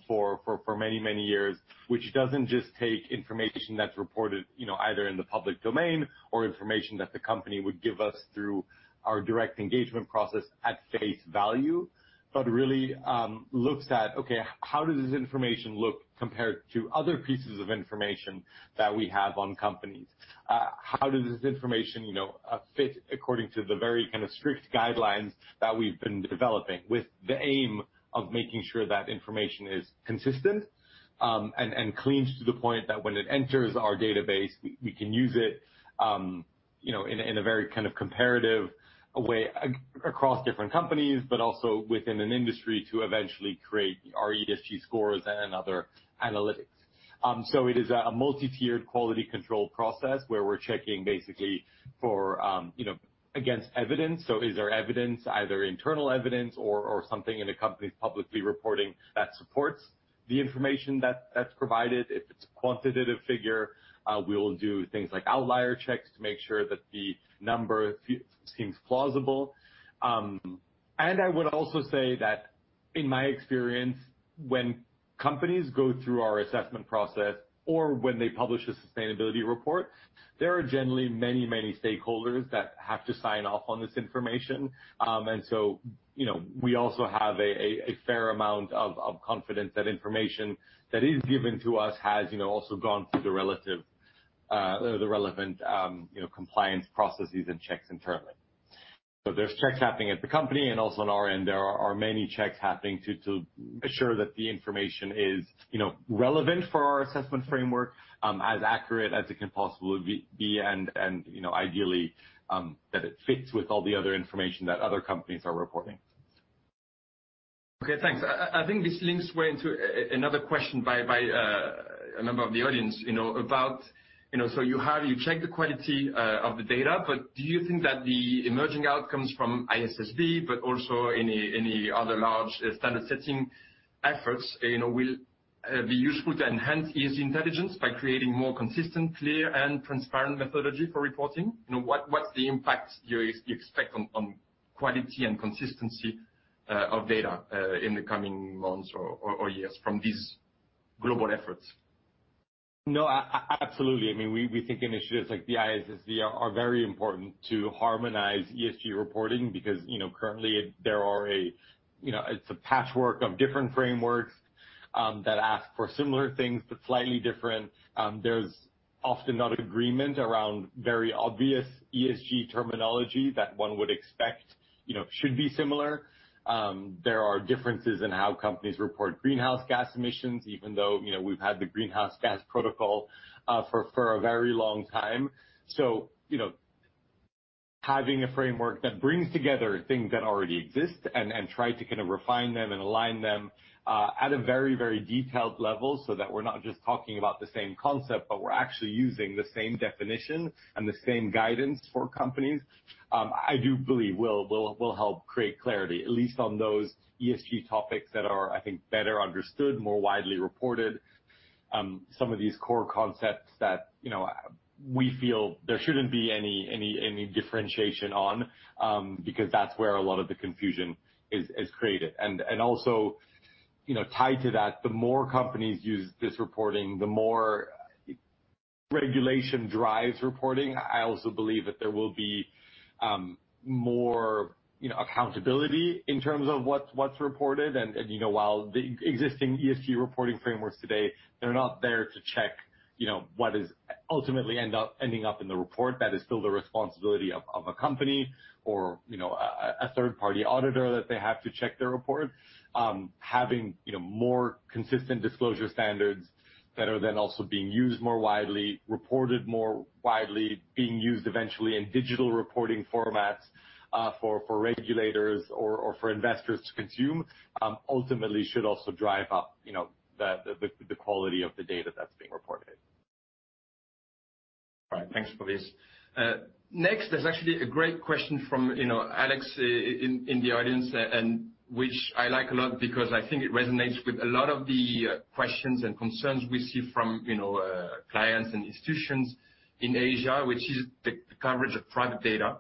for many years, which doesn't just take information that's reported, you know, either in the public domain or information that the company would give us through our direct engagement process at face value, but really looks at, okay, how does this information look compared to other pieces of information that we have on companies? How does this information, you know, fit according to the very kind of strict guidelines that we've been developing with the aim of making sure that information is consistent, and clean to the point that when it enters our database, we can use it, you know, in a very kind of comparative way across different companies, but also within an industry to eventually create our ESG scores and other analytics. It is a multi-tiered quality control process where we're checking basically for, you know, against evidence. Is there evidence, either internal evidence or something in a company's publicly reporting that supports the information that's provided. If it's a quantitative figure, we'll do things like outlier checks to make sure that the number seems plausible. I would also say that in my experience, when companies go through our assessment process or when they publish a sustainability report, there are generally many stakeholders that have to sign off on this information. You know, we also have a fair amount of confidence that information that is given to us has, you know, also gone through the relevant compliance processes and checks internally. There's checks happening at the company and also on our end, there are many checks happening to ensure that the information is, you know, relevant for our assessment framework, as accurate as it can possibly be, and, you know, ideally, that it fits with all the other information that other companies are reporting. Okay, thanks. I think this links way into another question by a member of the audience, you know, about, you know, you check the quality of the data, but do you think that the emerging outcomes from ISSB, but also any other large standard-setting efforts, you know, will be useful to enhance ESG intelligence by creating more consistent, clear, and transparent methodology for reporting? You know, what's the impact you expect on quality and consistency of data in the coming months or years from these global efforts? No, absolutely. I mean, we think initiatives like the ISSB are very important to harmonize ESG reporting because, you know, currently there are, you know, it's a patchwork of different frameworks that ask for similar things but slightly different. There's often not agreement around very obvious ESG terminology that one would expect, you know, should be similar. There are differences in how companies report greenhouse gas emissions even though, you know, we've had the Greenhouse Gas Protocol for a very long time. You know, having a framework that brings together things that already exist and try to kind of refine them and align them at a very, very detailed level so that we're not just talking about the same concept, but we're actually using the same definition and the same guidance for companies. I do believe will help create clarity, at least on those ESG topics that are, I think, better understood, more widely reported. Some of these core concepts that, you know, we feel there shouldn't be any differentiation on, because that's where a lot of the confusion is created. You know, tied to that, the more companies use this reporting, the more regulation drives reporting. I also believe that there will be more, you know, accountability in terms of what's reported and you know, while the existing ESG reporting frameworks today, they're not there to check, you know, what is ultimately ending up in the report. That is still the responsibility of a company or you know, a third party auditor that they have to check their report. Having you know, more consistent disclosure standards that are then also being used more widely, reported more widely, being used eventually in digital reporting formats for regulators or for investors to consume ultimately should also drive up you know, the quality of the data that's being reported. All right. Thanks for this. Next, there's actually a great question from, you know, Alex in the audience and which I like a lot because I think it resonates with a lot of the questions and concerns we see from, you know, clients and institutions in Asia, which is the coverage of private data,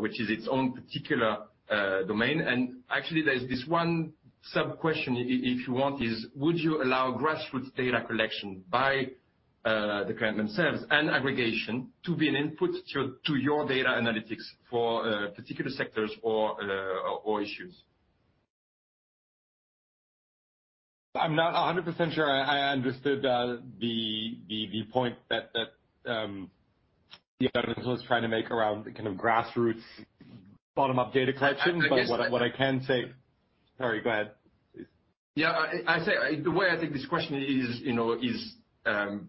which is its own particular domain. Actually, there's this one sub-question if you want is, would you allow grassroots data collection by the client themselves and aggregation to be an input to your data analytics for particular sectors or issues? I'm not 100% sure I understood the point that the other person was trying to make around the kind of grassroots bottom-up data collection. I guess. What I can say. Sorry, go ahead, please. Yeah. I say the way I think this question is, you know, is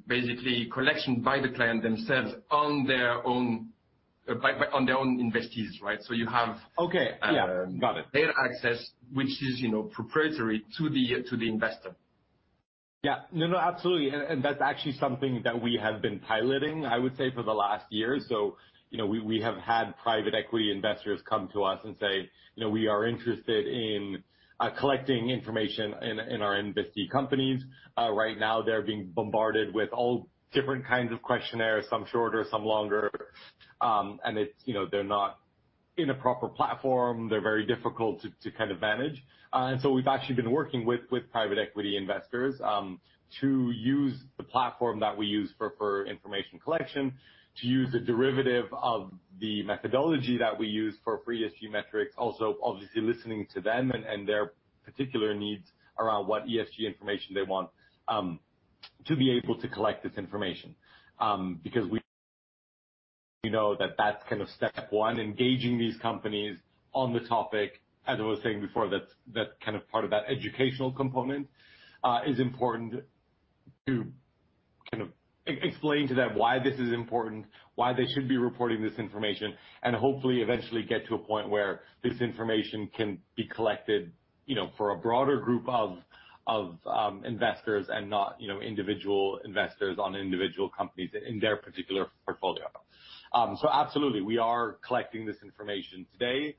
basically collection by the client themselves on their own investees, right? You have Okay. Yeah. Got it. Data access, which is, you know, proprietary to the investor. Yeah. No, no, absolutely. That's actually something that we have been piloting, I would say, for the last year. You know, we have had private equity investors come to us and say, you know, "We are interested in collecting information in our investee companies." Right now they're being bombarded with all different kinds of questionnaires, some shorter, some longer. It's, you know, they're not in a proper platform. They're very difficult to kind of manage. We've actually been working with private equity investors to use the platform that we use for information collection, to use a derivative of the methodology that we use for key ESG metrics, also, obviously, listening to them and their particular needs around what ESG information they want to be able to collect this information. Because we know that that's kind of step one, engaging these companies on the topic. As I was saying before, that's kind of part of that educational component, is important to kind of explain to them why this is important, why they should be reporting this information, and hopefully eventually get to a point where this information can be collected, you know, for a broader group of investors and not, you know, individual investors on individual companies in their particular portfolio. Absolutely. We are collecting this information today.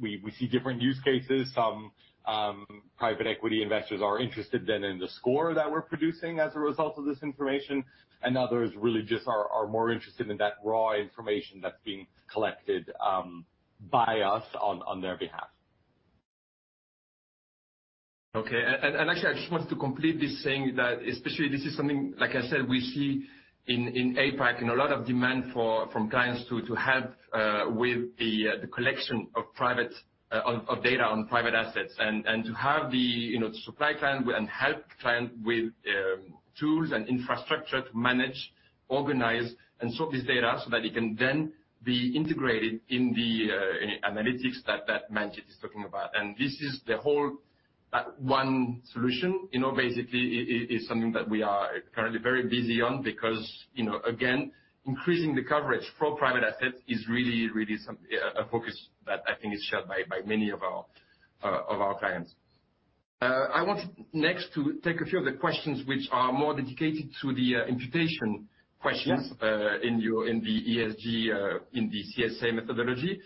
We see different use cases. Some private equity investors are interested then in the score that we're producing as a result of this information, and others really just are more interested in that raw information that's being collected by us on their behalf. Okay. Actually, I just wanted to complete this saying that especially this is something, like I said, we see in APAC and a lot of demand from clients to help with the collection of data on private assets. To have the, you know, to supply client with and help client with tools and infrastructure to manage, organize, and sort this data so that it can then be integrated in the analytics that Manjit is talking about. This is the whole one solution, you know, basically is something that we are currently very busy on because, you know, again, increasing the coverage for private assets is really something a focus that I think is shared by many of our clients. I want next to take a few of the questions which are more dedicated to the imputation questions. In the ESG, in the CSA methodology.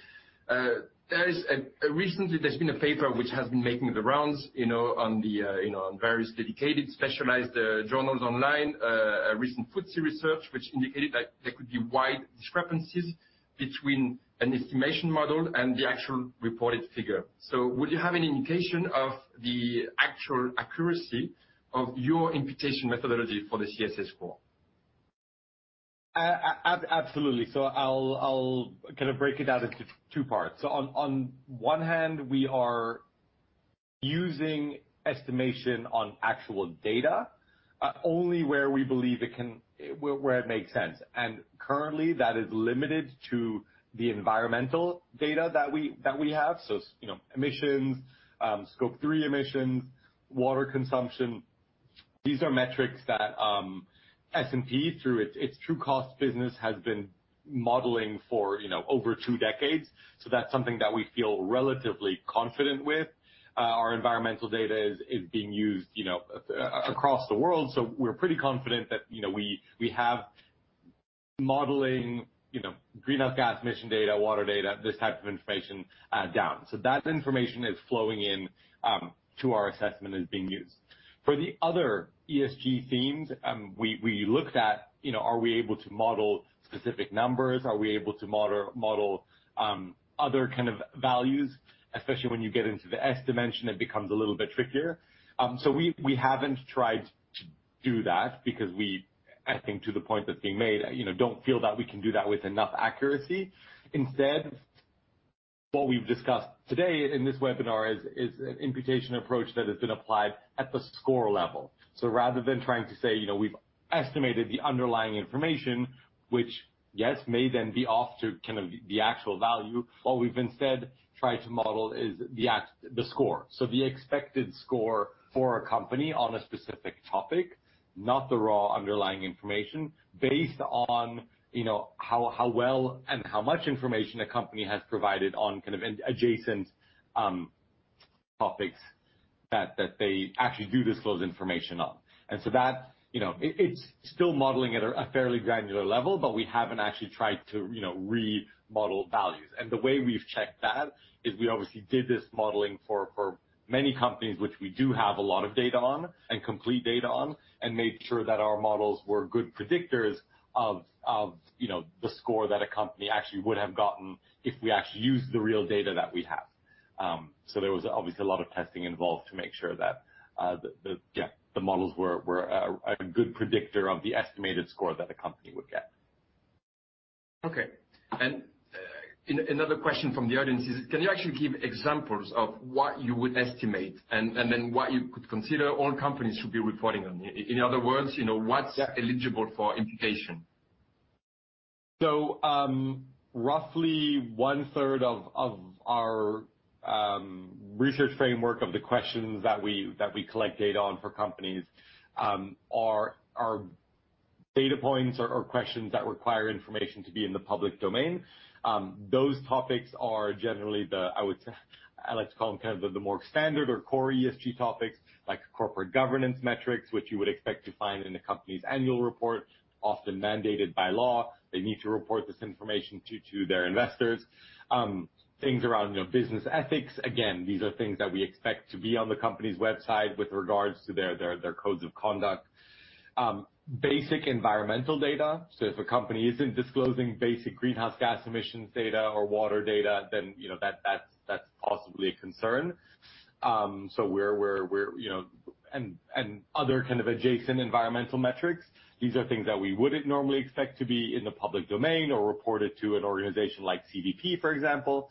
Recently, there's been a paper which has been making the rounds, you know, on the, you know, on various dedicated specialized, journals online. A recent FTSE research, which indicated that there could be wide discrepancies between an estimation model and the actual reported figure. Would you have any indication of the actual accuracy of your imputation methodology for the CSA score? Absolutely. I'll kind of break it out into two parts. On one hand, we are using estimation on actual data only where we believe it makes sense. Currently that is limited to the environmental data that we have. You know, emissions, Scope 3 emissions, water consumption. These are metrics that S&P, through its Trucost business, has been modeling for, you know, over two decades. That's something that we feel relatively confident with. Our environmental data is being used, you know, across the world, so we're pretty confident that, you know, we have modeling, you know, greenhouse gas emission data, water data, this type of information down. That information is flowing in to our assessment and is being used. For the other ESG themes, we looked at, you know, are we able to model specific numbers? Are we able to model other kind of values? Especially when you get into the S dimension, it becomes a little bit trickier. We haven't tried to do that because we, I think to the point that's being made, you know, don't feel that we can do that with enough accuracy. Instead, what we've discussed today in this webinar is an imputation approach that has been applied at the score level. Rather than trying to say, you know, we've estimated the underlying information, which, yes, may then be off to kind of the actual value, what we've instead tried to model is the score. The expected score for a company on a specific topic, not the raw underlying information, based on you know how well and how much information a company has provided on kind of an adjacent topics that they actually do disclose information on. That you know it's still modeling at a fairly granular level, but we haven't actually tried to you know remodel values. The way we've checked that is we obviously did this modeling for many companies which we do have a lot of data on and complete data on, and made sure that our models were good predictors of you know the score that a company actually would have gotten if we actually used the real data that we have. There was obviously a lot of testing involved to make sure that the models were a good predictor of the estimated score that the company would get. Okay. Another question from the audience is, can you actually give examples of what you would estimate and then what you could consider all companies should be reporting on? In other words, you know, what's eligible for imputation? Roughly one third of our research framework of the questions that we collect data on for companies are data points or questions that require information to be in the public domain. Those topics are generally the, I would say, I like to call them kind of the more standard or core ESG topics, like corporate governance metrics, which you would expect to find in the company's annual report, often mandated by law. They need to report this information to their investors. Things around, you know, business ethics. Again, these are things that we expect to be on the company's website with regards to their codes of conduct. Basic environmental data. If a company isn't disclosing basic greenhouse gas emissions data or water data, then you know, that's possibly a concern. Other kind of adjacent environmental metrics. These are things that we wouldn't normally expect to be in the public domain or reported to an organization like CDP, for example.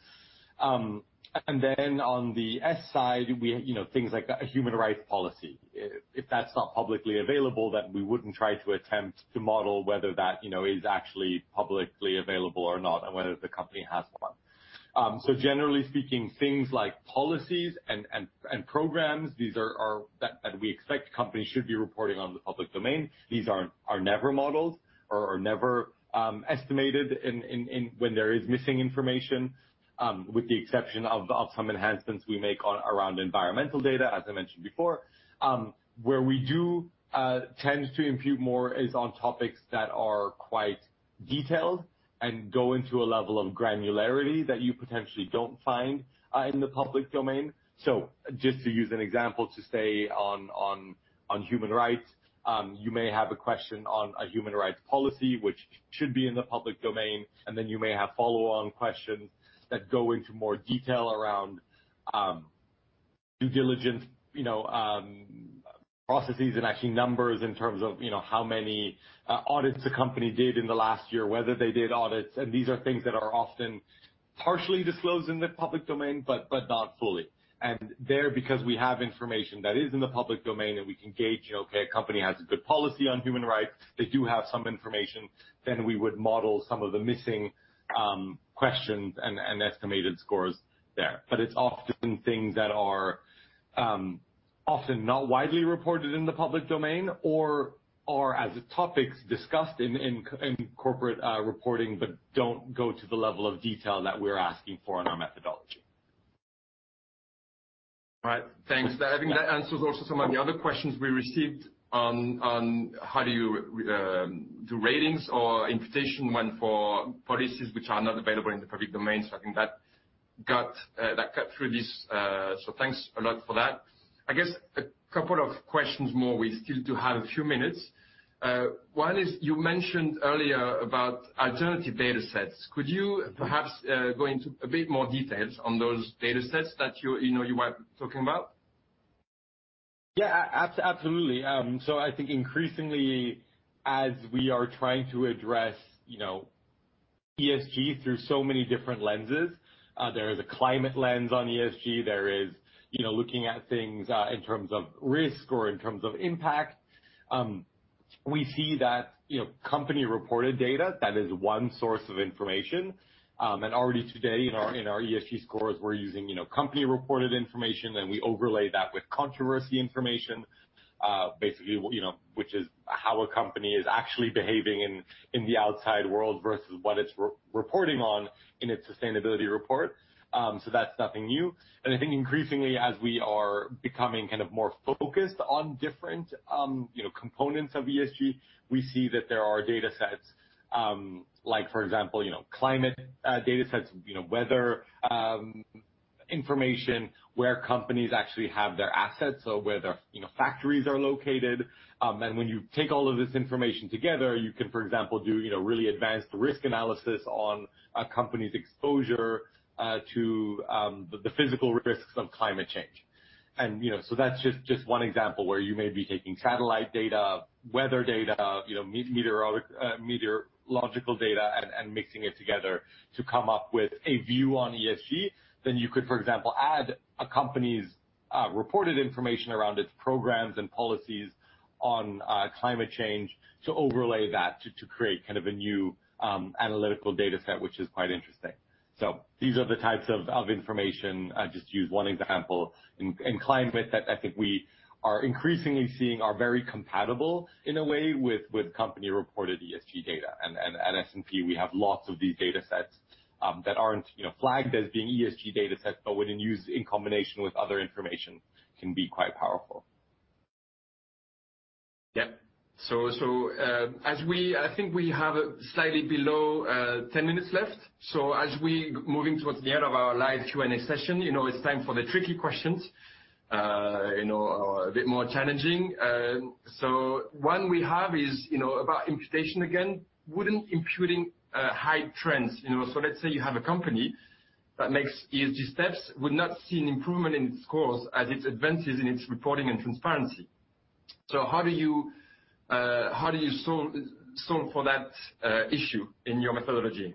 Then on the S side, we, you know, things like a human rights policy. If that's not publicly available, then we wouldn't try to attempt to model whether that, you know, is actually publicly available or not, and whether the company has one. Generally speaking, things like policies and programs that we expect companies should be reporting in the public domain. These are never modeled or never estimated when there is missing information, with the exception of some enhancements we make on and around environmental data, as I mentioned before. Where we do tend to impute more is on topics that are quite detailed and go into a level of granularity that you potentially don't find in the public domain. Just to use an example, to stay on human rights, you may have a question on a human rights policy which should be in the public domain, and then you may have follow on questions that go into more detail around due diligence, you know, processes and actually numbers in terms of, you know, how many audits the company did in the last year, whether they did audits. These are things that are often partially disclosed in the public domain, but not fully. There, because we have information that is in the public domain, and we can gauge, okay, a company has a good policy on human rights, they do have some information, then we would model some of the missing questions and estimated scores there. But it's often things that are often not widely reported in the public domain or as topics discussed in corporate reporting, but don't go to the level of detail that we're asking for in our methodology. All right. Thanks. I think that answers also some of the other questions we received on how do you do ratings or imputation when for policies which are not available in the public domain. I think that got that cut through this, so thanks a lot for that. I guess a couple of questions more. We still do have a few minutes. One is, you mentioned earlier about alternative data sets. Could you perhaps go into a bit more details on those data sets that you know you were talking about? Yeah. Absolutely. I think increasingly as we are trying to address, you know, ESG through so many different lenses, there is a climate lens on ESG. There is, you know, looking at things in terms of risk or in terms of impact. We see that, you know, company reported data, that is one source of information. Already today in our ESG scores, we're using, you know, company reported information, and we overlay that with controversy information, basically, you know, which is how a company is actually behaving in the outside world versus what it's reporting on in its sustainability report. That's nothing new. I think increasingly, as we are becoming kind of more focused on different, you know, components of ESG, we see that there are data sets, like, for example, you know, climate data sets, you know, weather information, where companies actually have their assets, so where their, you know, factories are located. When you take all of this information together, you can, for example, do, you know, really advanced risk analysis on a company's exposure to the physical risks of climate change. That's just one example where you may be taking satellite data, weather data, you know, meteorological data and mixing it together to come up with a view on ESG. You could, for example, add a company's reported information around its programs and policies on climate change to overlay that to create kind of a new analytical data set, which is quite interesting. These are the types of information. I just used one example in climate that I think we are increasingly seeing are very compatible in a way with company reported ESG data. At S&P, we have lots of these data sets that aren't, you know, flagged as being ESG data sets, but when used in combination with other information, can be quite powerful. Yeah. I think we have slightly below 10 minutes left. As we moving towards the end of our live Q&A session, you know it's time for the tricky questions, you know, or a bit more challenging. One we have is, you know, about imputation again. Wouldn't imputing hide trends? You know, so let's say you have a company that makes ESG steps would not see an improvement in its scores as it advances in its reporting and transparency. How do you solve for that issue in your methodology?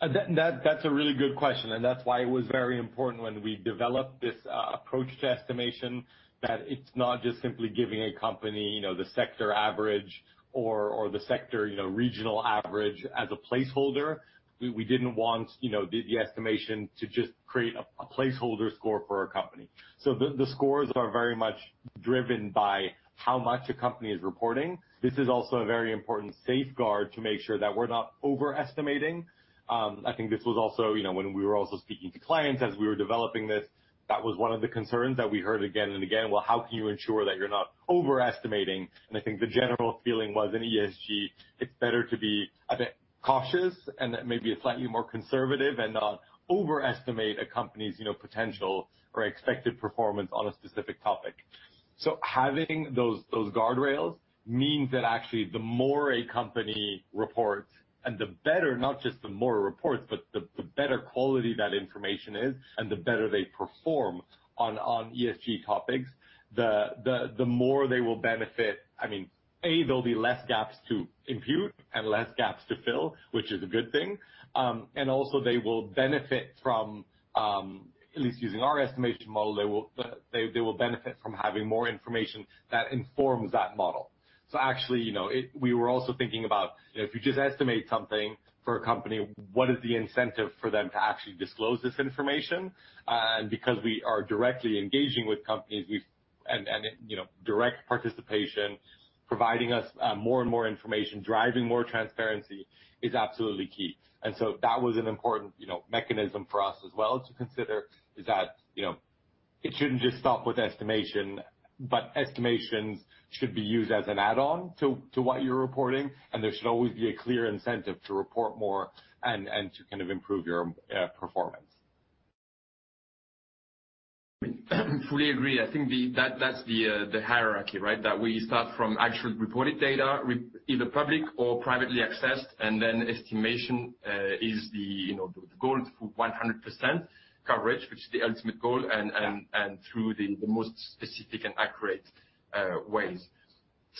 That's a really good question. That's why it was very important when we developed this approach to estimation, that it's not just simply giving a company, you know, the sector average or the sector, you know, regional average as a placeholder. We didn't want, you know, the estimation to just create a placeholder score for a company. The scores are very much driven by how much a company is reporting. This is also a very important safeguard to make sure that we're not overestimating. I think this was also, you know, when we were also speaking to clients as we were developing this, that was one of the concerns that we heard again and again. Well, how can you ensure that you're not overestimating?" I think the general feeling was in ESG, it's better to be a bit cautious and maybe slightly more conservative and not overestimate a company's, you know, potential or expected performance on a specific topic. Having those guardrails means that actually the more a company reports and the better, not just the more reports, but the better quality that information is and the better they perform on ESG topics, the more they will benefit. I mean, a, there'll be less gaps to impute and less gaps to fill, which is a good thing. Also they will benefit from, at least using our estimation model, they will benefit from having more information that informs that model. Actually, you know, it. We were also thinking about, you know, if you just estimate something for a company, what is the incentive for them to actually disclose this information? Because we are directly engaging with companies, and you know, direct participation, providing us more and more information, driving more transparency is absolutely key. That was an important, you know, mechanism for us as well to consider, is that, you know, it shouldn't just stop with estimation, but estimations should be used as an add-on to what you're reporting, and there should always be a clear incentive to report more and to kind of improve your performance. I fully agree. I think that's the hierarchy, right? That we start from actual reported data with either public or privately accessed, and then estimation is the, you know, the goal to 100% coverage, which is the ultimate goal and through the most specific and accurate ways.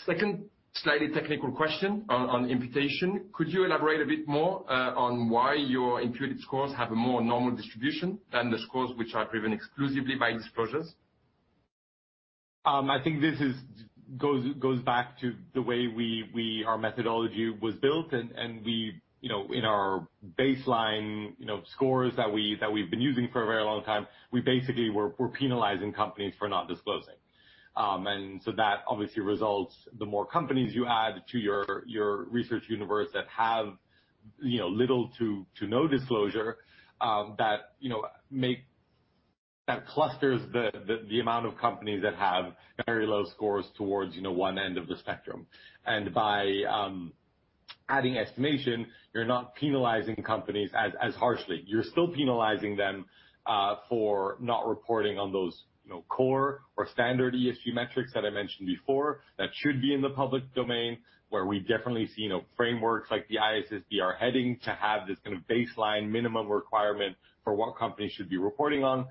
Second, slightly technical question on imputation. Could you elaborate a bit more on why your imputed scores have a more normal distribution than the scores which are driven exclusively by disclosures? I think this goes back to the way our methodology was built and we, you know, in our baseline scores that we've been using for a very long time, we're penalizing companies for not disclosing. That obviously results the more companies you add to your research universe that have, you know, little to no disclosure, that clusters the amount of companies that have very low scores towards, you know, one end of the spectrum. By adding estimation, you're not penalizing companies as harshly. You're still penalizing them for not reporting on those, you know, core or standard ESG metrics that I mentioned before that should be in the public domain, where we definitely see no frameworks like the ISSB are heading to have this kind of baseline minimum requirement for what companies should be reporting on.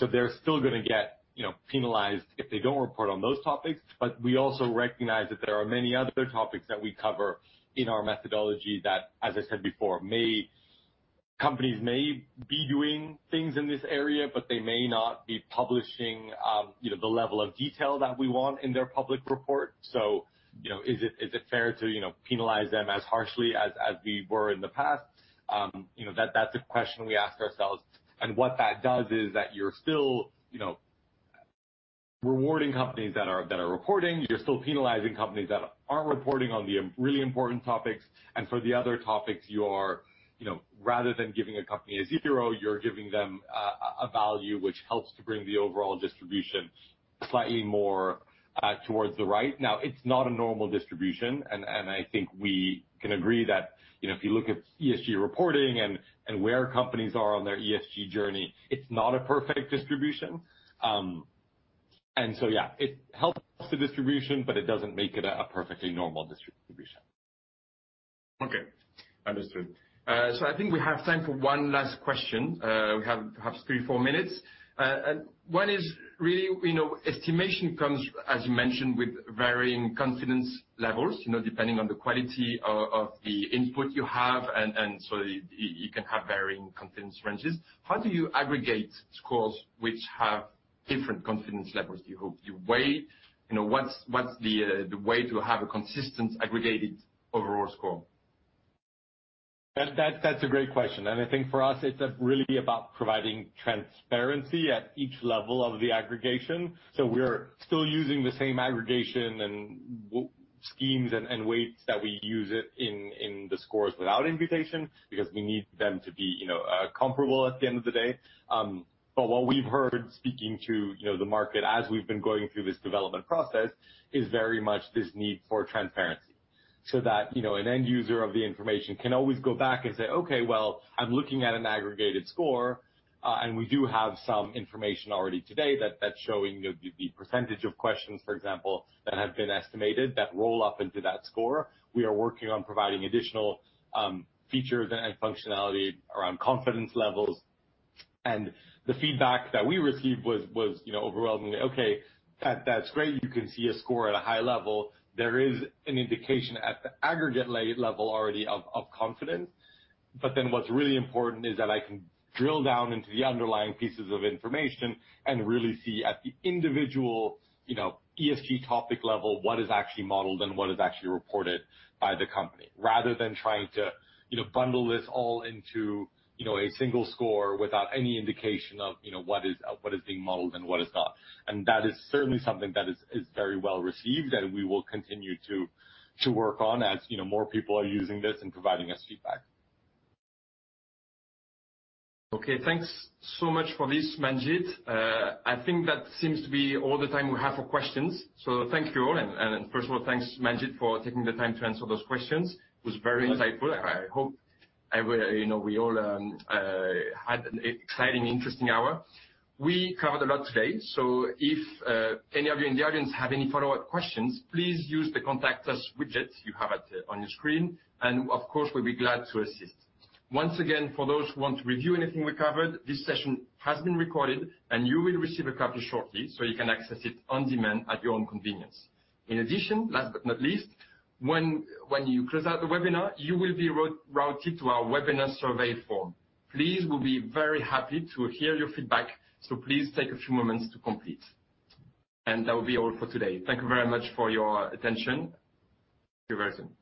They're still gonna get, you know, penalized if they don't report on those topics. But we also recognize that there are many other topics that we cover in our methodology that, as I said before, companies may be doing things in this area, but they may not be publishing, you know, the level of detail that we want in their public report. Is it fair to, you know, penalize them as harshly as we were in the past? You know, that's a question we ask ourselves. What that does is that you're still, you know, rewarding companies that are reporting. You're still penalizing companies that aren't reporting on the really important topics. For the other topics, you are, you know, rather than giving a company a zero, you're giving them a value which helps to bring the overall distribution slightly more towards the right. Now, it's not a normal distribution. I think we can agree that, you know, if you look at ESG reporting and where companies are on their ESG journey, it's not a perfect distribution. Yeah, it helps the distribution, but it doesn't make it a perfectly normal distribution. Okay. Understood. I think we have time for one last question. We have perhaps three, four minutes. One is really, you know, estimation comes, as you mentioned, with varying confidence levels, you know, depending on the quality of the input you have, and so you can have varying confidence ranges. How do you aggregate scores which have different confidence levels? Do you weigh? You know, what's the way to have a consistent aggregated overall score? That's a great question. I think for us it's really about providing transparency at each level of the aggregation. We're still using the same aggregation and weighting schemes and weights that we use in the scores without imputation, because we need them to be, you know, comparable at the end of the day. What we've heard, speaking to, you know, the market as we've been going through this development process, is very much this need for transparency, so that, you know, an end user of the information can always go back and say, "Okay, well, I'm looking at an aggregated score," and we do have some information already today that's showing the percentage of questions, for example, that have been estimated that roll up into that score. We are working on providing additional features and functionality around confidence levels. The feedback that we received was, you know, overwhelmingly, "Okay, that's great. You can see a score at a high level." There is an indication at the aggregate level already of confidence. Then what's really important is that I can drill down into the underlying pieces of information and really see at the individual, you know, ESG topic level, what is actually modeled and what is actually reported by the company. Rather than trying to, you know, bundle this all into, you know, a single score without any indication of, you know, what is being modeled and what is not. That is certainly something that is very well received and we will continue to work on as you know more people are using this and providing us feedback. Okay. Thanks so much for this, Manjit. I think that seems to be all the time we have for questions. Thank you all. First of all, thanks, Manjit, for taking the time to answer those questions. It was very insightful. I hope you know, we all had an exciting, interesting hour. We covered a lot today, so if any of you in the audience have any follow-up questions, please use the Contact Us widget you have on your screen, and of course, we'll be glad to assist. Once again, for those who want to review anything we covered, this session has been recorded and you will receive a copy shortly, so you can access it on demand at your own convenience. In addition, last but not least, when you close out the webinar, you will be routed to our webinar survey form. Please, we'll be very happy to hear your feedback, so please take a few moments to complete. That will be all for today. Thank you very much for your attention. Thank you very soon.